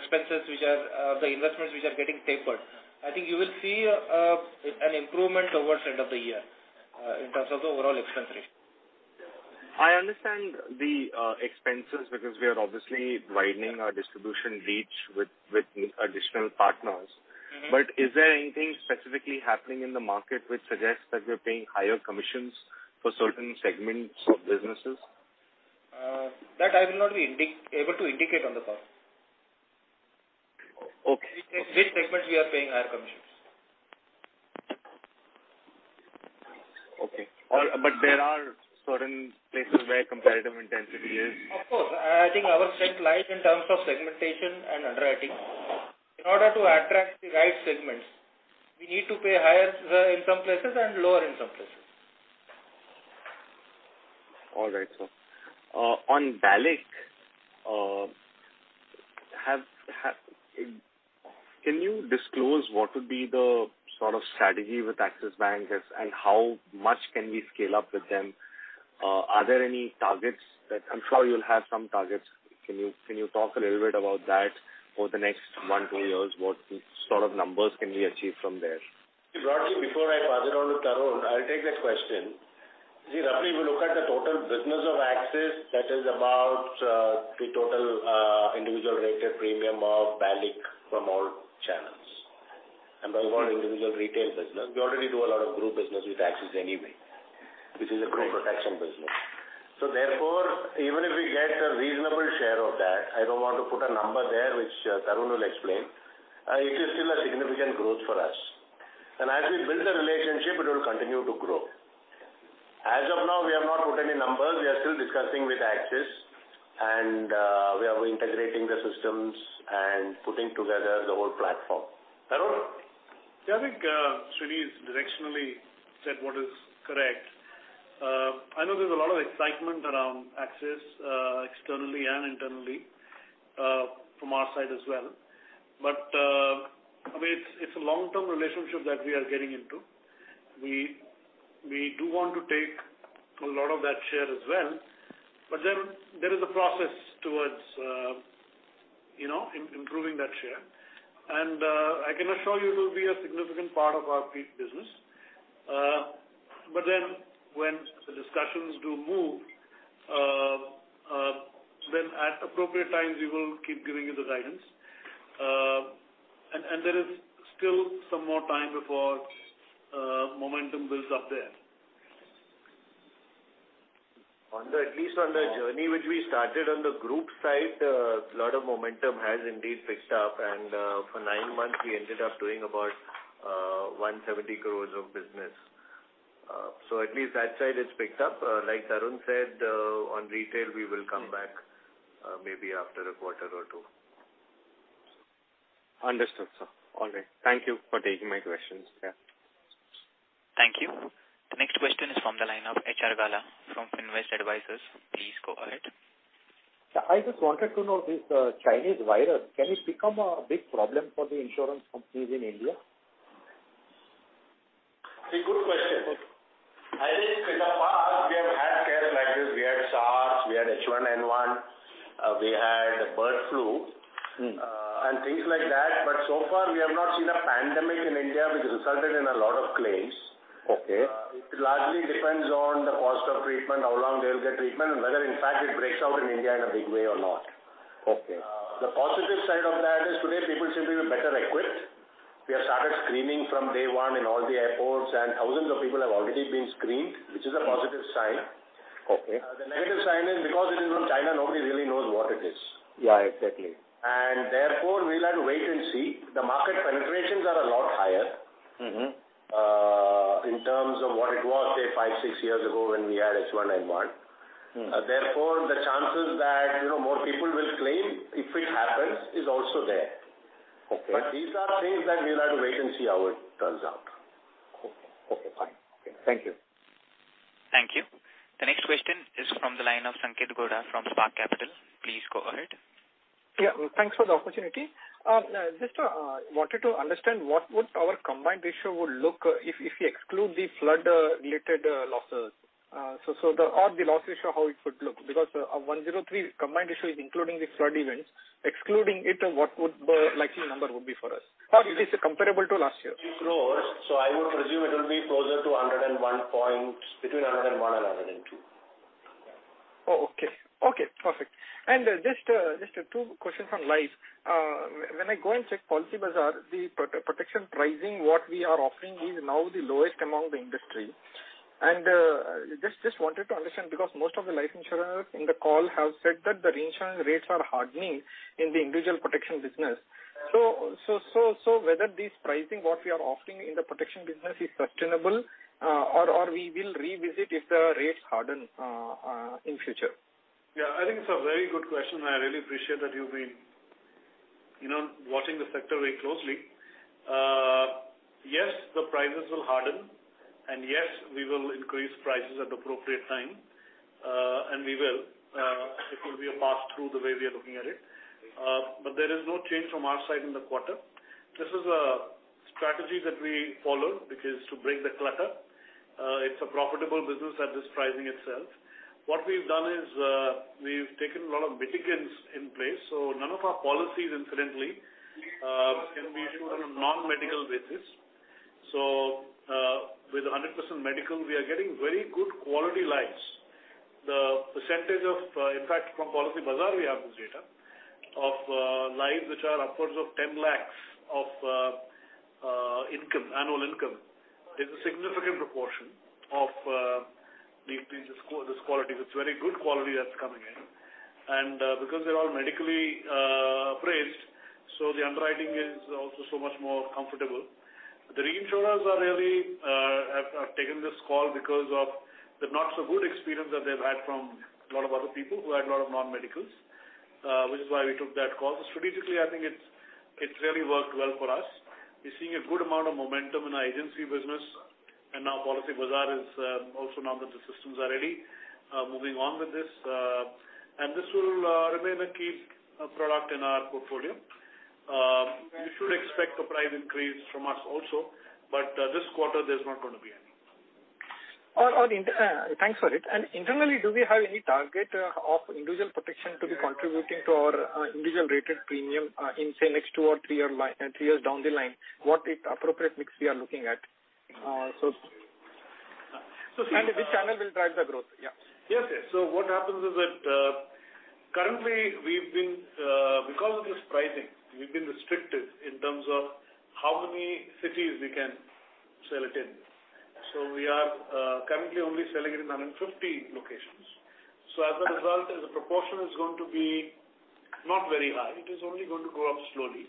[SPEAKER 9] investments which are getting tapered. I think you will see an improvement towards the end of the year in terms of the overall expense ratio.
[SPEAKER 16] I understand the expenses because we are obviously widening our distribution reach with additional partners. Is there anything specifically happening in the market which suggests that we're paying higher commissions for certain segments of businesses?
[SPEAKER 3] That I will not be able to indicate on the call.
[SPEAKER 16] Okay.
[SPEAKER 3] Which segments we are paying higher commissions?
[SPEAKER 16] There are certain places where competitive intensity is.
[SPEAKER 3] Of course. I think our strength lies in terms of segmentation and underwriting. In order to attract the right segments, we need to pay higher in some places and lower in some places.
[SPEAKER 16] All right, sir. On BALIC, can you disclose what would be the sort of strategy with Axis Bank and how much can we scale up with them? Are there any targets? I'm sure you'll have some targets. Can you talk a little bit about that for the next one, two years? What sort of numbers can we achieve from there?
[SPEAKER 3] Broadly before I pass it on to Tarun, I'll take that question. See, roughly we look at the total business of Axis Bank, that is about the total individual related premium of BALIC from all channels. By individual retail business, we already do a lot of group business with Axis Bank anyway, which is a group protection business. Therefore, even if we get a reasonable share of that, I don't want to put a number there, which Tarun will explain. It is still a significant growth for us. As we build the relationship, it will continue to grow. As of now, we have not put any numbers. We are still discussing with Axis Bank, and we are integrating the systems and putting together the whole platform. Tarun.
[SPEAKER 8] Yeah, I think Sreeni has directionally said what is correct. I know there's a lot of excitement around Axis, externally and internally, from our side as well. It's a long-term relationship that we are getting into. We do want to take a lot of that share as well. There is a process towards improving that share. I can assure you it will be a significant part of our PICS business. When the discussions do move, then at appropriate times, we will keep giving you the guidance. There is still some more time before momentum builds up there.
[SPEAKER 3] At least on the journey which we started on the group side, a lot of momentum has indeed picked up. For nine months we ended up doing about 170 crores of business. At least that side it's picked up. Like Tarun said, on retail we will come back maybe after a quarter or two.
[SPEAKER 16] Understood, sir. All right. Thank you for taking my questions. Yeah.
[SPEAKER 1] Thank you. The next question is from the line of H.R. Gala from Finvest Advisors. Please go ahead.
[SPEAKER 7] I just wanted to know this Chinese virus, can it become a big problem for the insurance companies in India?
[SPEAKER 3] See, good question. I think in the past we have had cases like this. We had SARS, we had H1N1, we had bird flu and things like that. So far we have not seen a pandemic in India which resulted in a lot of claims.
[SPEAKER 7] Okay.
[SPEAKER 3] It largely depends on the cost of treatment, how long they will get treatment, and whether in fact it breaks out in India in a big way or not.
[SPEAKER 7] Okay.
[SPEAKER 3] The positive side of that is today people seem to be better equipped. We have started screening from day one in all the airports and thousands of people have already been screened, which is a positive sign.
[SPEAKER 7] Okay.
[SPEAKER 3] The negative sign is because it is from China, nobody really knows what it is.
[SPEAKER 7] Yeah, exactly.
[SPEAKER 3] Therefore, we'll have to wait and see. The market penetrations are a lot higher. In terms of what it was, say five, six years ago when we had H1N1. The chances that more people will claim if it happens is also there. Okay. These are things that we'll have to wait and see how it turns out.
[SPEAKER 7] Okay, fine. Thank you.
[SPEAKER 1] Thank you. The next question is from the line of Sanket Gore from Spark Capital. Please go ahead.
[SPEAKER 17] Yeah, thanks for the opportunity. Just wanted to understand what would our combined ratio look if we exclude the flood-related losses, or the loss ratio how it would look. Our 103 combined ratio is including the flood events. Excluding it, what would the likely number be for us? Is it comparable to last year?
[SPEAKER 3] I would presume it will be closer between 101 and 102.
[SPEAKER 17] Oh, okay. Perfect. Just two questions on life. When I go and check Policybazaar, the protection pricing what we are offering is now the lowest among the industry. Just wanted to understand because most of the life insurers in the call have said that the reinsurance rates are hardening in the individual protection business. Whether this pricing, what we are offering in the protection business is sustainable, or we will revisit if the rates harden in future?
[SPEAKER 8] Yeah, I think it's a very good question. I really appreciate that you've been watching the sector very closely. Yes, the prices will harden, and yes, we will increase prices at the appropriate time. We will. It will be a pass-through the way we are looking at it. There is no change from our side in the quarter. This is a strategy that we follow, which is to break the clutter. It's a profitable business at this pricing itself. What we've done is, we've taken a lot of mitigants in place, so none of our policies incidentally, can be issued on a non-medical basis. With 100% medical, we are getting very good quality lives. The percentage of-- in fact, from Policybazaar we have this data, of lives which are upwards of 10 lakhs of annual income, is a significant proportion of this quality. It's very good quality that's coming in. Because they're all medically pressed, so the underwriting is also so much more comfortable. The reinsurers have taken this call because of the not so good experience that they've had from a lot of other people who had a lot of non-medicals, which is why we took that call. Strategically, I think it's really worked well for us. We're seeing a good amount of momentum in our agency business, and now Policybazaar is also now that the systems are ready, moving on with this. This will remain a key product in our portfolio. You should expect a price increase from us also. This quarter, there's not going to be any.
[SPEAKER 17] Thanks for it. Internally, do we have any target of individual protection to be contributing to our individual rated premium in, say, next two or three years down the line? What is appropriate mix we are looking at? Which channel will drive the growth? Yeah.
[SPEAKER 8] Yes. What happens is that, currently because of this pricing, we've been restricted in terms of how many cities we can sell it in. We are currently only selling it in 150 locations. As a result, the proportion is going to be not very high. It is only going to go up slowly.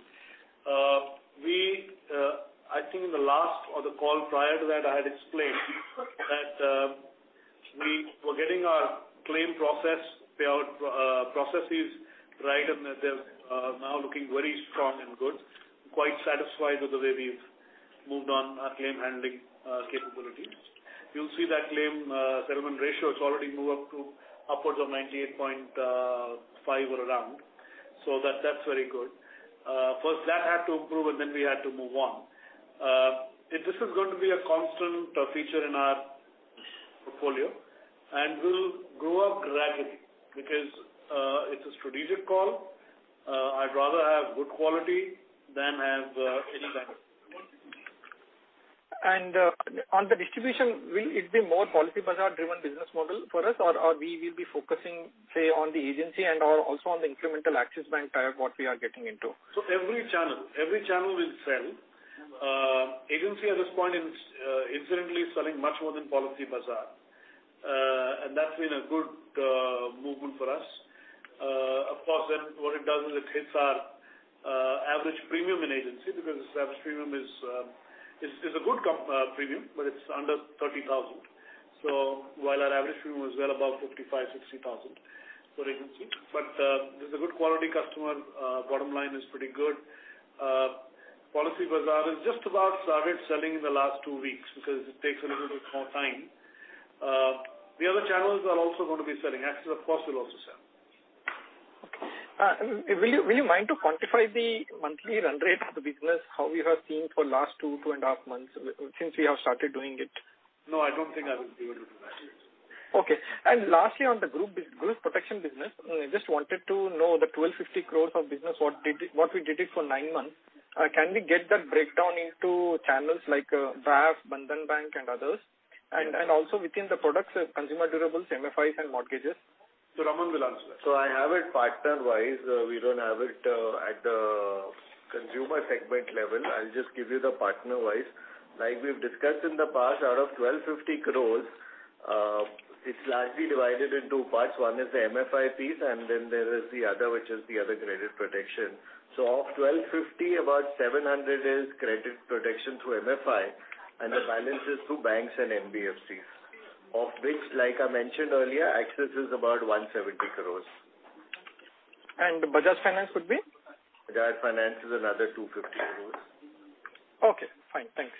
[SPEAKER 8] I think in the last or the call prior to that, I had explained that we were getting our claim payout processes right, and they're now looking very strong and good. Quite satisfied with the way we've moved on our claim handling capabilities. You'll see that claim settlement ratio has already moved up to upwards of 98.5% or around. That's very good. First that had to improve, and then we had to move on. This is going to be a constant feature in our portfolio, and will grow up gradually because it's a strategic call. I'd rather have good quality than have any bandwidth.
[SPEAKER 17] On the distribution, will it be more Policybazaar driven business model for us? Will we be focusing, say, on the agency and also on the incremental Axis Bank part what we are getting into?
[SPEAKER 8] Every channel will sell. Agency at this point incidentally is selling much more than Policybazaar. That's been a good movement for us. Of course, what it does is it hits our average premium in agency because this average premium is a good premium, but it's under 30,000. While our average premium is well above 55,000, 60,000 for agency. This is a good quality customer. Bottom line is pretty good. Policybazaar has just about started selling in the last two weeks because it takes a little bit more time. The other channels are also going to be selling. Axis Bank, of course, will also sell.
[SPEAKER 17] Okay. Will you mind to quantify the monthly run rate of the business, how we have seen for last two and a half months since we have started doing it?
[SPEAKER 8] No, I don't think I will be able to do that.
[SPEAKER 17] Okay. Lastly, on the group protection business, I just wanted to know the 1,250 crores of business. What we did it for nine months. Can we get that breakdown into channels like Vaas, Bandhan Bank and others, also within the products, consumer durables, MFIs and mortgages?
[SPEAKER 8] Raman will answer that.
[SPEAKER 6] I have it partner-wise. We don't have it at the consumer segment level. I'll just give you the partner-wise. Like we've discussed in the past, out of 1,250 crore, it's largely divided into parts. One is the MFI piece and then there is the other, which is the other credit protection. Of 1,250 crore, about 700 crore is credit protection through MFI, and the balance is through banks and NBFCs. Of which, like I mentioned earlier, Axis is about 170 crore.
[SPEAKER 17] Bajaj Finance would be?
[SPEAKER 6] Bajaj Finance is another 250 crore.
[SPEAKER 17] Okay, fine. Thanks.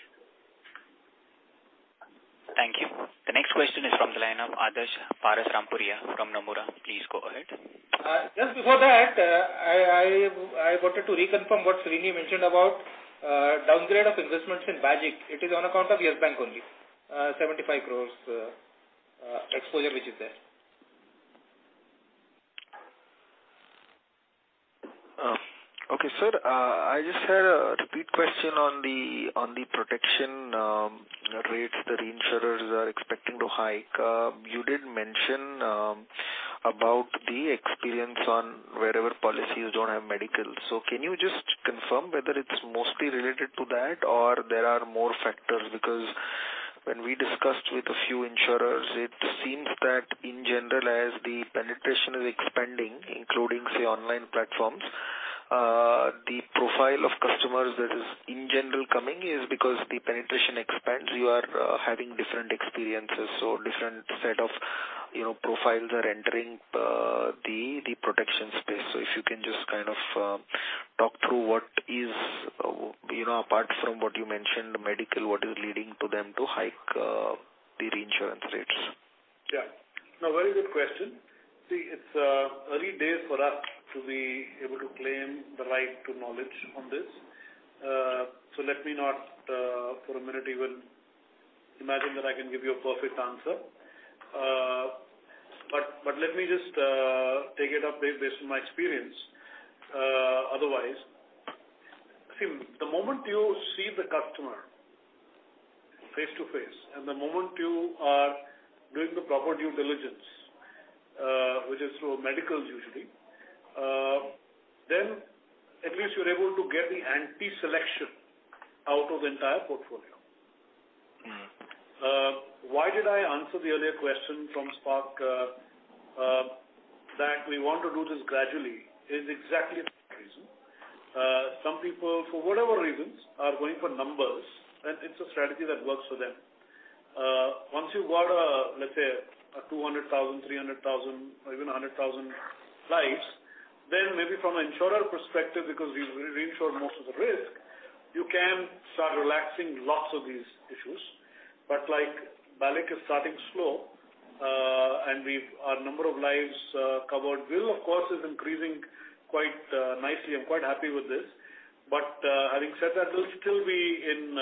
[SPEAKER 1] Thank you. The next question is from the line of Adarsh Parasrampuria from Nomura. Please go ahead.
[SPEAKER 17] Just before that, I wanted to reconfirm what Sreeni mentioned about downgrade of investments in BAGIC. It is on account of Yes Bank only. 75 crores exposure which is there.
[SPEAKER 18] Okay, sir, I just had a repeat question on the protection rates the reinsurers are expecting to hike. You did mention about the experience on wherever policies don't have medical. Can you just confirm whether it's mostly related to that or there are more factors? When we discussed with a few insurers, it seems that in general, as the penetration is expanding, including, say, online platforms, the profile of customers that is in general coming is because the penetration expands, you are having different experiences. Different set of profiles are entering the protection space. If you can just talk through what is, apart from what you mentioned, medical, what is leading to them to hike the reinsurance rates?
[SPEAKER 8] Yeah. No, very good question. See, it's early days for us to be able to claim the right to knowledge on this. Let me not for a minute even imagine that I can give you a perfect answer. Let me just take it up based on my experience. Otherwise, see, the moment you see the customer face-to-face, and the moment you are doing the proper due diligence, which is through medicals usually, then at least you're able to get the anti-selection out of the entire portfolio. Why did I answer the earlier question from Spark that we want to do this gradually is exactly a reason. Some people, for whatever reasons, are going for numbers, and it's a strategy that works for them. Once you've got, let's say, 200,000, 300,000 or even 100,000 lives, then maybe from an insurer perspective, because we insure most of the risk, you can start relaxing lots of these issues. Like, BALIC is starting slow, and our number of lives covered will, of course, is increasing quite nicely. I'm quite happy with this. Having said that, we'll still be in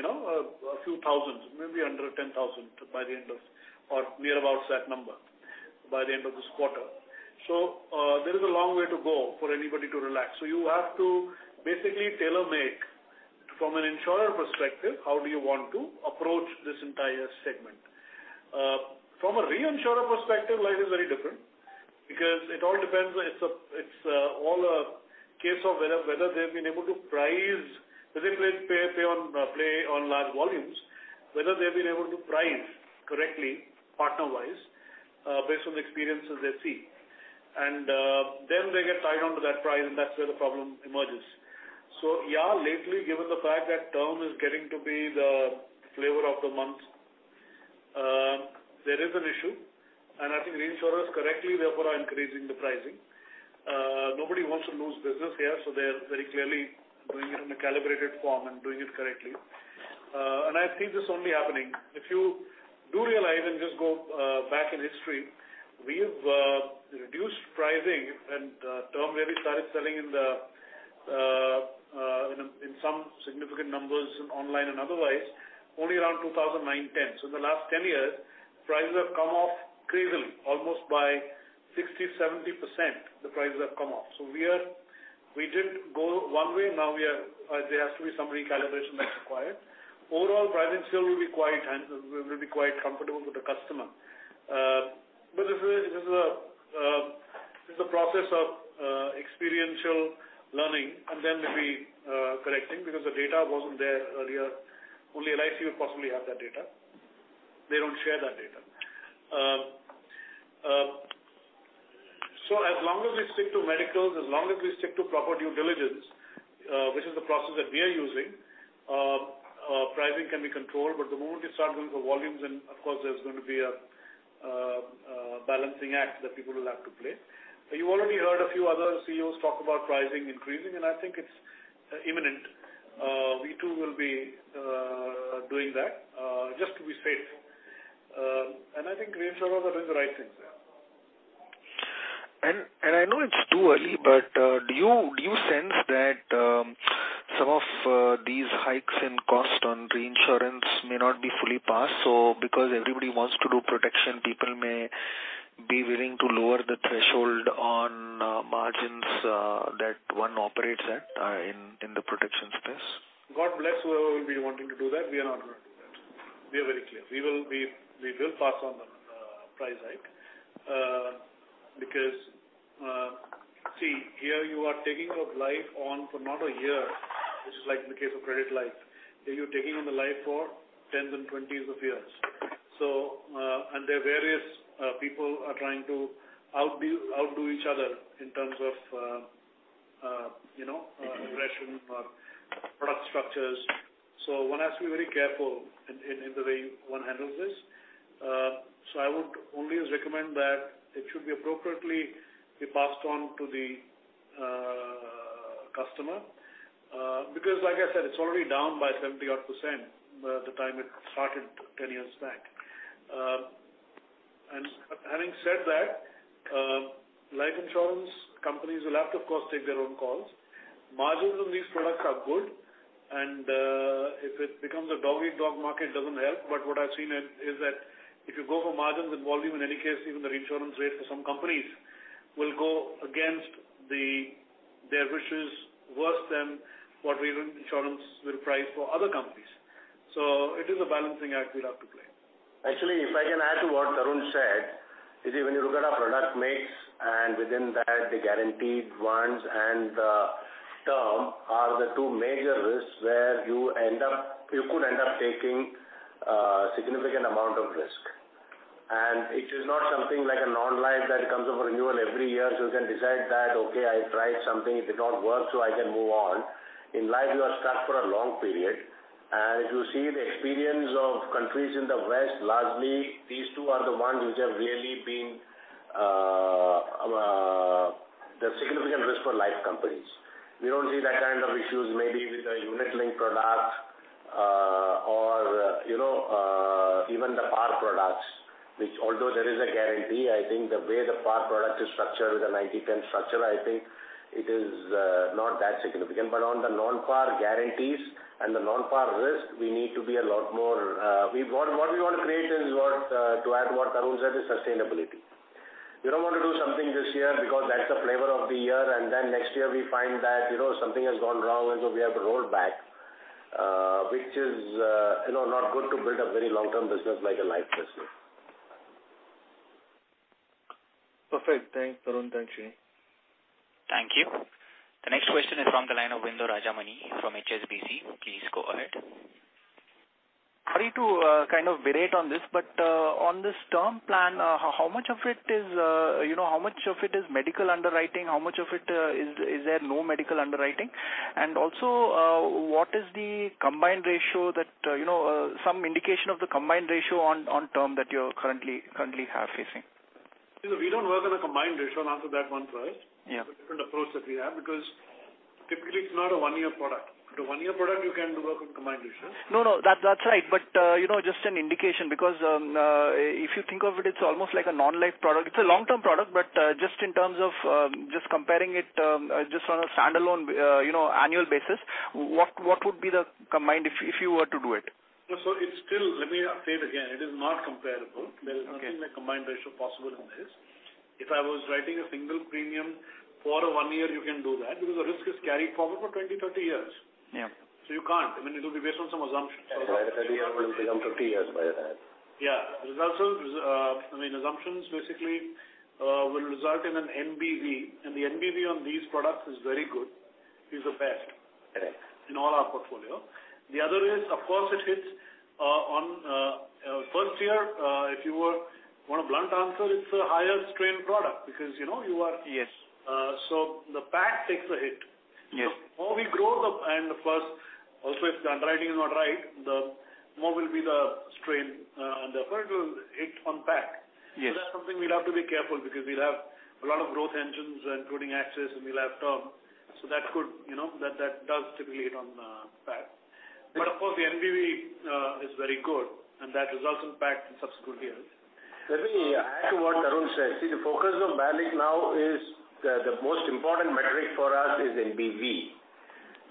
[SPEAKER 8] a few thousand, maybe under 10,000 by the end of, or near about that number by the end of this quarter. There is a long way to go for anybody to relax. You have to basically tailor-make from an insurer perspective, how do you want to approach this entire segment? From a reinsurer perspective, life is very different because it's all a case of whether they've been able to price, whether they play on large volumes, whether they've been able to price correctly partner-wise based on the experiences they see. Then they get tied down to that price, and that's where the problem emerges. Yeah, lately, given the fact that term is getting to be the flavor of the month, there is an issue, and I think reinsurers correctly, therefore, are increasing the pricing. Nobody wants to lose business here, so they're very clearly doing it in a calibrated form and doing it correctly. I see this only happening. If you do realize and just go back in history, we've reduced pricing and term where we started selling in some significant numbers online and otherwise only around 2009, 2010. In the last 10 years, prices have come off crazily, almost by 60%, 70%, the prices have come off. We did go one way. Now there has to be some recalibration that's required. Overall pricing still will be quite comfortable for the customer. This is a process of experiential learning and then maybe correcting because the data wasn't there earlier. Only LIC would possibly have that data. They don't share that data. As long as we stick to medicals, as long as we stick to proper due diligence, which is the process that we are using, pricing can be controlled. The moment you start doing for volumes, then of course, there's going to be a balancing act that people will have to play. You already heard a few other CEOs talk about pricing increasing. I think it's imminent. We too will be doing that, just to be safe. I think reinsurers are doing the right things there.
[SPEAKER 18] I know it's too early, but do you sense that some of these hikes in cost on reinsurance may not be fully passed? Because everybody wants to do protection, people may be willing to lower the threshold on margins that one operates at in the protection space.
[SPEAKER 8] God bless whoever will be wanting to do that. We are not going to do that. We are very clear. We will pass on the price hike. See, here you are taking a life on for not a year, which is like in the case of credit life. Here you're taking on the life for 10s and 20s of years. There are various people are trying to outdo each other in terms of aggression or product structures. One has to be very careful in the way one handles this. I would only recommend that it should be appropriately be passed on to the customer. Like I said, it's already down by 70% odd the time it started 10 years back. Having said that, life insurance companies will have to, of course, take their own calls. Margins on these products are good. If it becomes a dog-eat-dog market, it doesn't help. What I've seen is that if you go for margins and volume, in any case, even the reinsurance rate for some companies will go against their wishes worse than what reinsurance will price for other companies. It is a balancing act we'll have to play.
[SPEAKER 3] Actually, if I can add to what Tarun said, is when you look at our product mix and within that, the guaranteed ones and the term are the two major risks where you could end up taking a significant amount of risk. It is not something like a non-life that comes up for renewal every year, so you can decide that, okay, I tried something, it did not work, so I can move on. In life, you are stuck for a long period. If you see the experience of countries in the West, largely, these two are the ones which have really been the significant risk for life companies. We don't see that kind of issues maybe with the unit link product, or even the par products, which although there is a guarantee, I think the way the par product is structured, with a 90-10 structure, I think it is not that significant. On the non-par guarantees and the non-par risk, what we want to create is what, to add to what Tarun said, is sustainability. We don't want to do something this year because that's the flavor of the year, and then next year we find that something has gone wrong, and so we have to roll back, which is not good to build a very long-term business like a life business.
[SPEAKER 18] Perfect. Thanks, Tarun. Thanks, Sreeni.
[SPEAKER 1] Thank you. The next question is from the line of Bindu Rajamani from HSBC. Please go ahead.
[SPEAKER 12] Sorry to kind of berate on this, on this term plan, how much of it is medical underwriting? How much of it is there no medical underwriting? Also, what is the combined ratio some indication of the combined ratio on term that you currently have facing.
[SPEAKER 8] We don't work on a combined ratio, I'll answer that one first.
[SPEAKER 12] Yeah.
[SPEAKER 8] It's a different approach that we have because typically it's not a one-year product. With a one-year product, you can work on combined ratios.
[SPEAKER 12] No, that's right. Just an indication because if you think of it's almost like a non-life product. It's a long-term product, just in terms of just comparing it just on a standalone annual basis, what would be the combined if you were to do it?
[SPEAKER 8] It's still, let me state again, it is not comparable.
[SPEAKER 12] Okay.
[SPEAKER 8] There is nothing like combined ratio possible in this. If I was writing a single premium for a one year, you can do that because the risk is carried forward for 20, 30 years.
[SPEAKER 12] Yeah.
[SPEAKER 8] You can't. I mean, it will be based on some assumptions.
[SPEAKER 3] By the time you've completed it will become 50 years by then.
[SPEAKER 8] Yeah. I mean, assumptions basically will result in an VNB, and the VNB on these products is very good, is the best in all our portfolio. The other is, of course it hits on first year, if you want a blunt answer, it's a higher strain product because you are.
[SPEAKER 12] Yes.
[SPEAKER 8] The PAT takes a hit.
[SPEAKER 12] Yes.
[SPEAKER 8] The more we grow, and first also if the underwriting is not right, the more will be the strain on the current hit on PAT.
[SPEAKER 12] Yes.
[SPEAKER 8] That's something we'll have to be careful because we'll have a lot of growth engines, including Axis, and we'll have Term. That does typically hit on PAT. Of course, the VNB is very good, and that results in PAT in subsequent years.
[SPEAKER 3] Let me add to what Tarun said. The focus of BALIC now is the most important metric for us is VNB,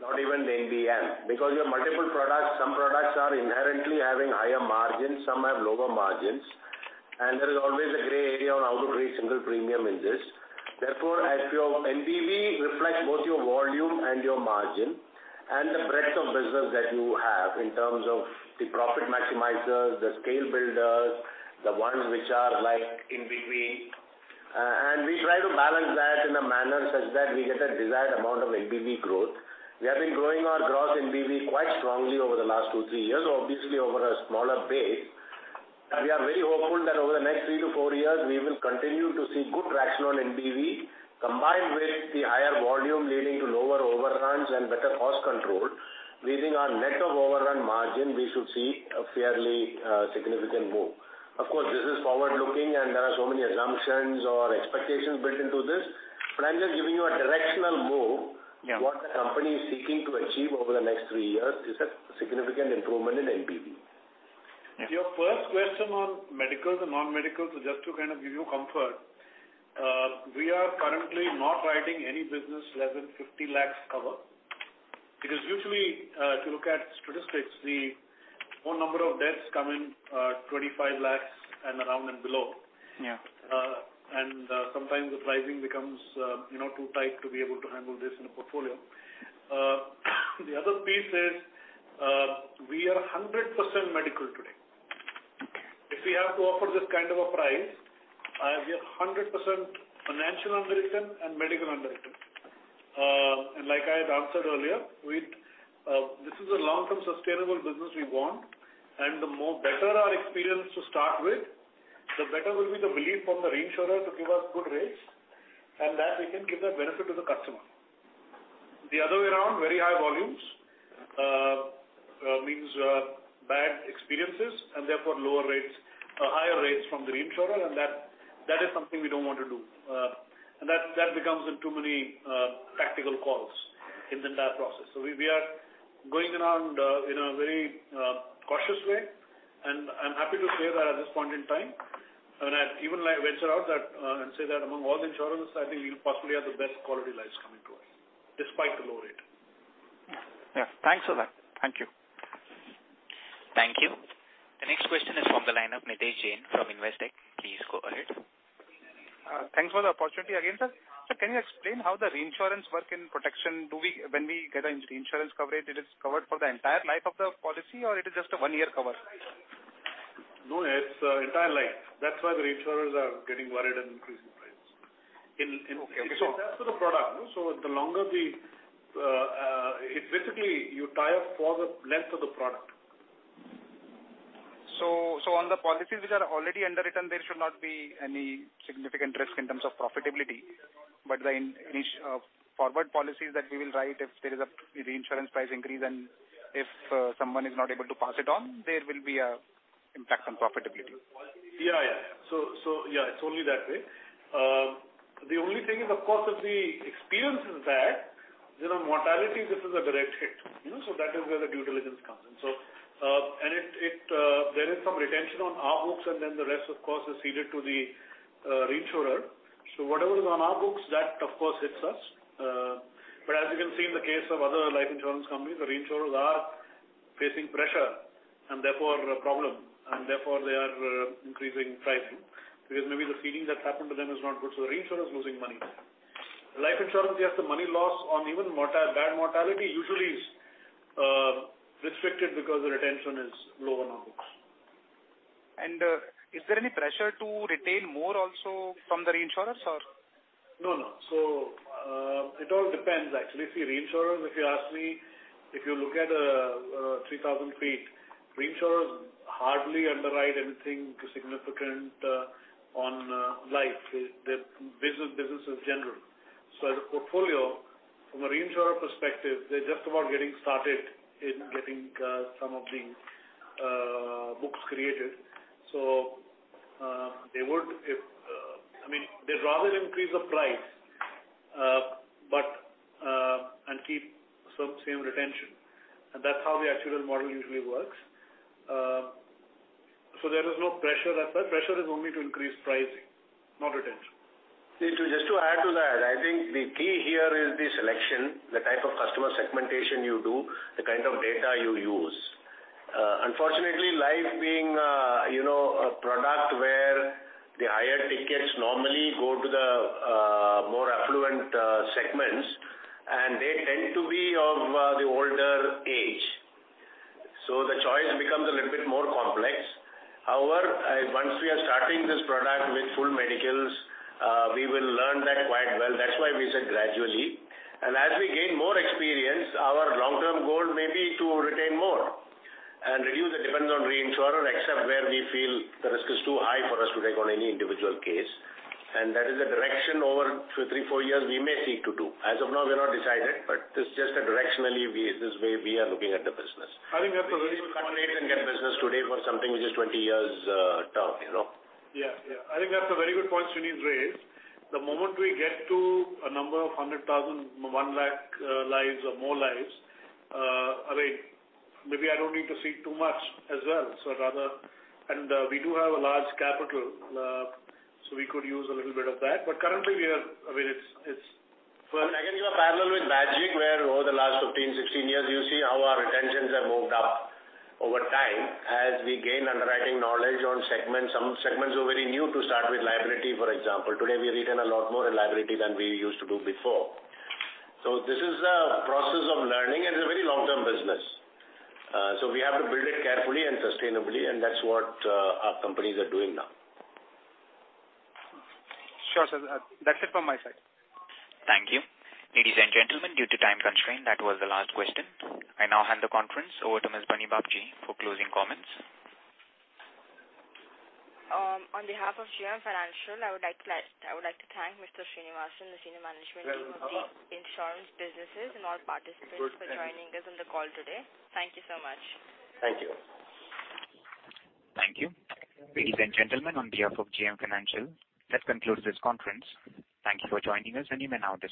[SPEAKER 3] not even the VNB margin. Because you have multiple products, some products are inherently having higher margins, some have lower margins, and there is always a gray area on how to create single premium in this. As your VNB reflects both your volume and your margin, and the breadth of business that you have in terms of the profit maximizers, the scale builders, the ones which are like in between. We try to balance that in a manner such that we get a desired amount of VNB growth. We have been growing our gross VNB quite strongly over the last two, three years, obviously over a smaller base. We are very hopeful that over the next three to four years, we will continue to see good traction on VNB, combined with the higher volume leading to lower overruns and better cost control. We think our net of overrun margin, we should see a fairly significant move. Of course, this is forward-looking and there are so many assumptions or expectations built into this, but I am just giving you a directional move what the company is seeking to achieve over the next three years is a significant improvement in VNB.
[SPEAKER 8] Your first question on medical to non-medical, so just to kind of give you comfort, we are currently not writing any business less than 50 lakhs cover. Because usually, if you look at statistics, the whole number of deaths come in 25 lakhs and around and below.
[SPEAKER 12] Yeah.
[SPEAKER 8] Sometimes the pricing becomes too tight to be able to handle this in a portfolio. The other piece is we are 100% medical today. If we have to offer this kind of a price, we are 100% financial underwritten and medical underwritten. Like I had answered earlier, this is a long-term sustainable business we want, and the more better our experience to start with, the better will be the belief from the reinsurer to give us good rates, and that we can give that benefit to the customer. The other way around, very high volumes means bad experiences, and therefore higher rates from the reinsurer, and that is something we don't want to do. That becomes in too many practical calls in the entire process. We are going around point in time. I'd even venture out and say that among all the insurance, I think we'll possibly have the best quality lives coming to us, despite the low rate.
[SPEAKER 12] Yeah. Thanks for that. Thank you.
[SPEAKER 1] Thank you. The next question is from the line of Nidhesh Jain from Investec. Please go ahead.
[SPEAKER 10] Thanks for the opportunity again, sir. Sir, can you explain how the reinsurance work in protection? When we get a reinsurance coverage, it is covered for the entire life of the policy or it is just a one-year cover?
[SPEAKER 8] No, it's entire life. That's why the reinsurers are getting worried and increasing prices.
[SPEAKER 10] Okay.
[SPEAKER 8] It adds to the product. Basically, you tie up for the length of the product.
[SPEAKER 10] On the policies which are already underwritten, there should not be any significant risk in terms of profitability. The forward policies that we will write, if there is a reinsurance price increase and if someone is not able to pass it on, there will be an impact on profitability.
[SPEAKER 8] Yeah. It's only that way. The only thing is, of course, if the experience is that, mortality, this is a direct hit. That is where the due diligence comes in. There is some retention on our books and then the rest, of course, is ceded to the reinsurer. Whatever is on our books, that of course hits us. As you can see in the case of other life insurance companies, the reinsurers are facing pressure and therefore a problem, and therefore they are increasing pricing because maybe the feeling that's happened to them is not good. The reinsurer is losing money. Life insurance, yes, the money loss on even bad mortality usually is restricted because the retention is low on our books.
[SPEAKER 10] Is there any pressure to retain more also from the reinsurers or?
[SPEAKER 8] No. It all depends, actually. See, reinsurers, if you ask me, if you look at 3,000 feet, reinsurers hardly underwrite anything significant on life. Their business is general. As a portfolio, from a reinsurer perspective, they're just about getting started in getting some of the books created. They'd rather increase the price and keep same retention, that's how the actuarial model usually works. There is no pressure as such. Pressure is only to increase pricing, not retention.
[SPEAKER 3] Just to add to that, I think the key here is the selection, the type of customer segmentation you do, the kind of data you use. Unfortunately, life being a product where the higher tickets normally go to the more affluent segments, and they tend to be of the older age. The choice becomes a little bit more complex. However, once we are starting this product with full medicals, we will learn that quite well. That's why we said gradually. As we gain more experience, our long-term goal may be to retain more and reduce the dependence on reinsurer except where we feel the risk is too high for us to take on any individual case. That is the direction over two, three, four years we may seek to do. As of now, we've not decided, but it's just that directionally, this way we are looking at the business. We should cut rates and get business today for something which is 20 years tough.
[SPEAKER 8] Yeah. I think that's a very good point Sreeni's raised. The moment we get to a number of 100,000, 1 lakh lives or more lives, maybe I don't need to see too much as well. We do have a large capital, we could use a little bit of that.
[SPEAKER 3] You are parallel with Bajaj, where over the last 15, 16 years, you see how our retentions have moved up over time as we gain underwriting knowledge on segments. Some segments were very new to start with liability, for example. Today, we've written a lot more in liability than we used to do before. This is a process of learning, and it's a very long-term business. We have to build it carefully and sustainably, and that's what our companies are doing now.
[SPEAKER 10] Sure, sir. That's it from my side.
[SPEAKER 1] Thank you. Ladies and gentlemen, due to time constraint, that was the last question. I now hand the conference over to Ms. Bani Bagchi for closing comments.
[SPEAKER 2] On behalf of JM Financial, I would like to thank Mr. Sreenivasan, the senior management team of the insurance businesses and all participants for joining us on the call today. Thank you so much.
[SPEAKER 3] Thank you.
[SPEAKER 1] Thank you. Ladies and gentlemen, on behalf of JM Financial, that concludes this conference. Thank you for joining us and you may now disconnect.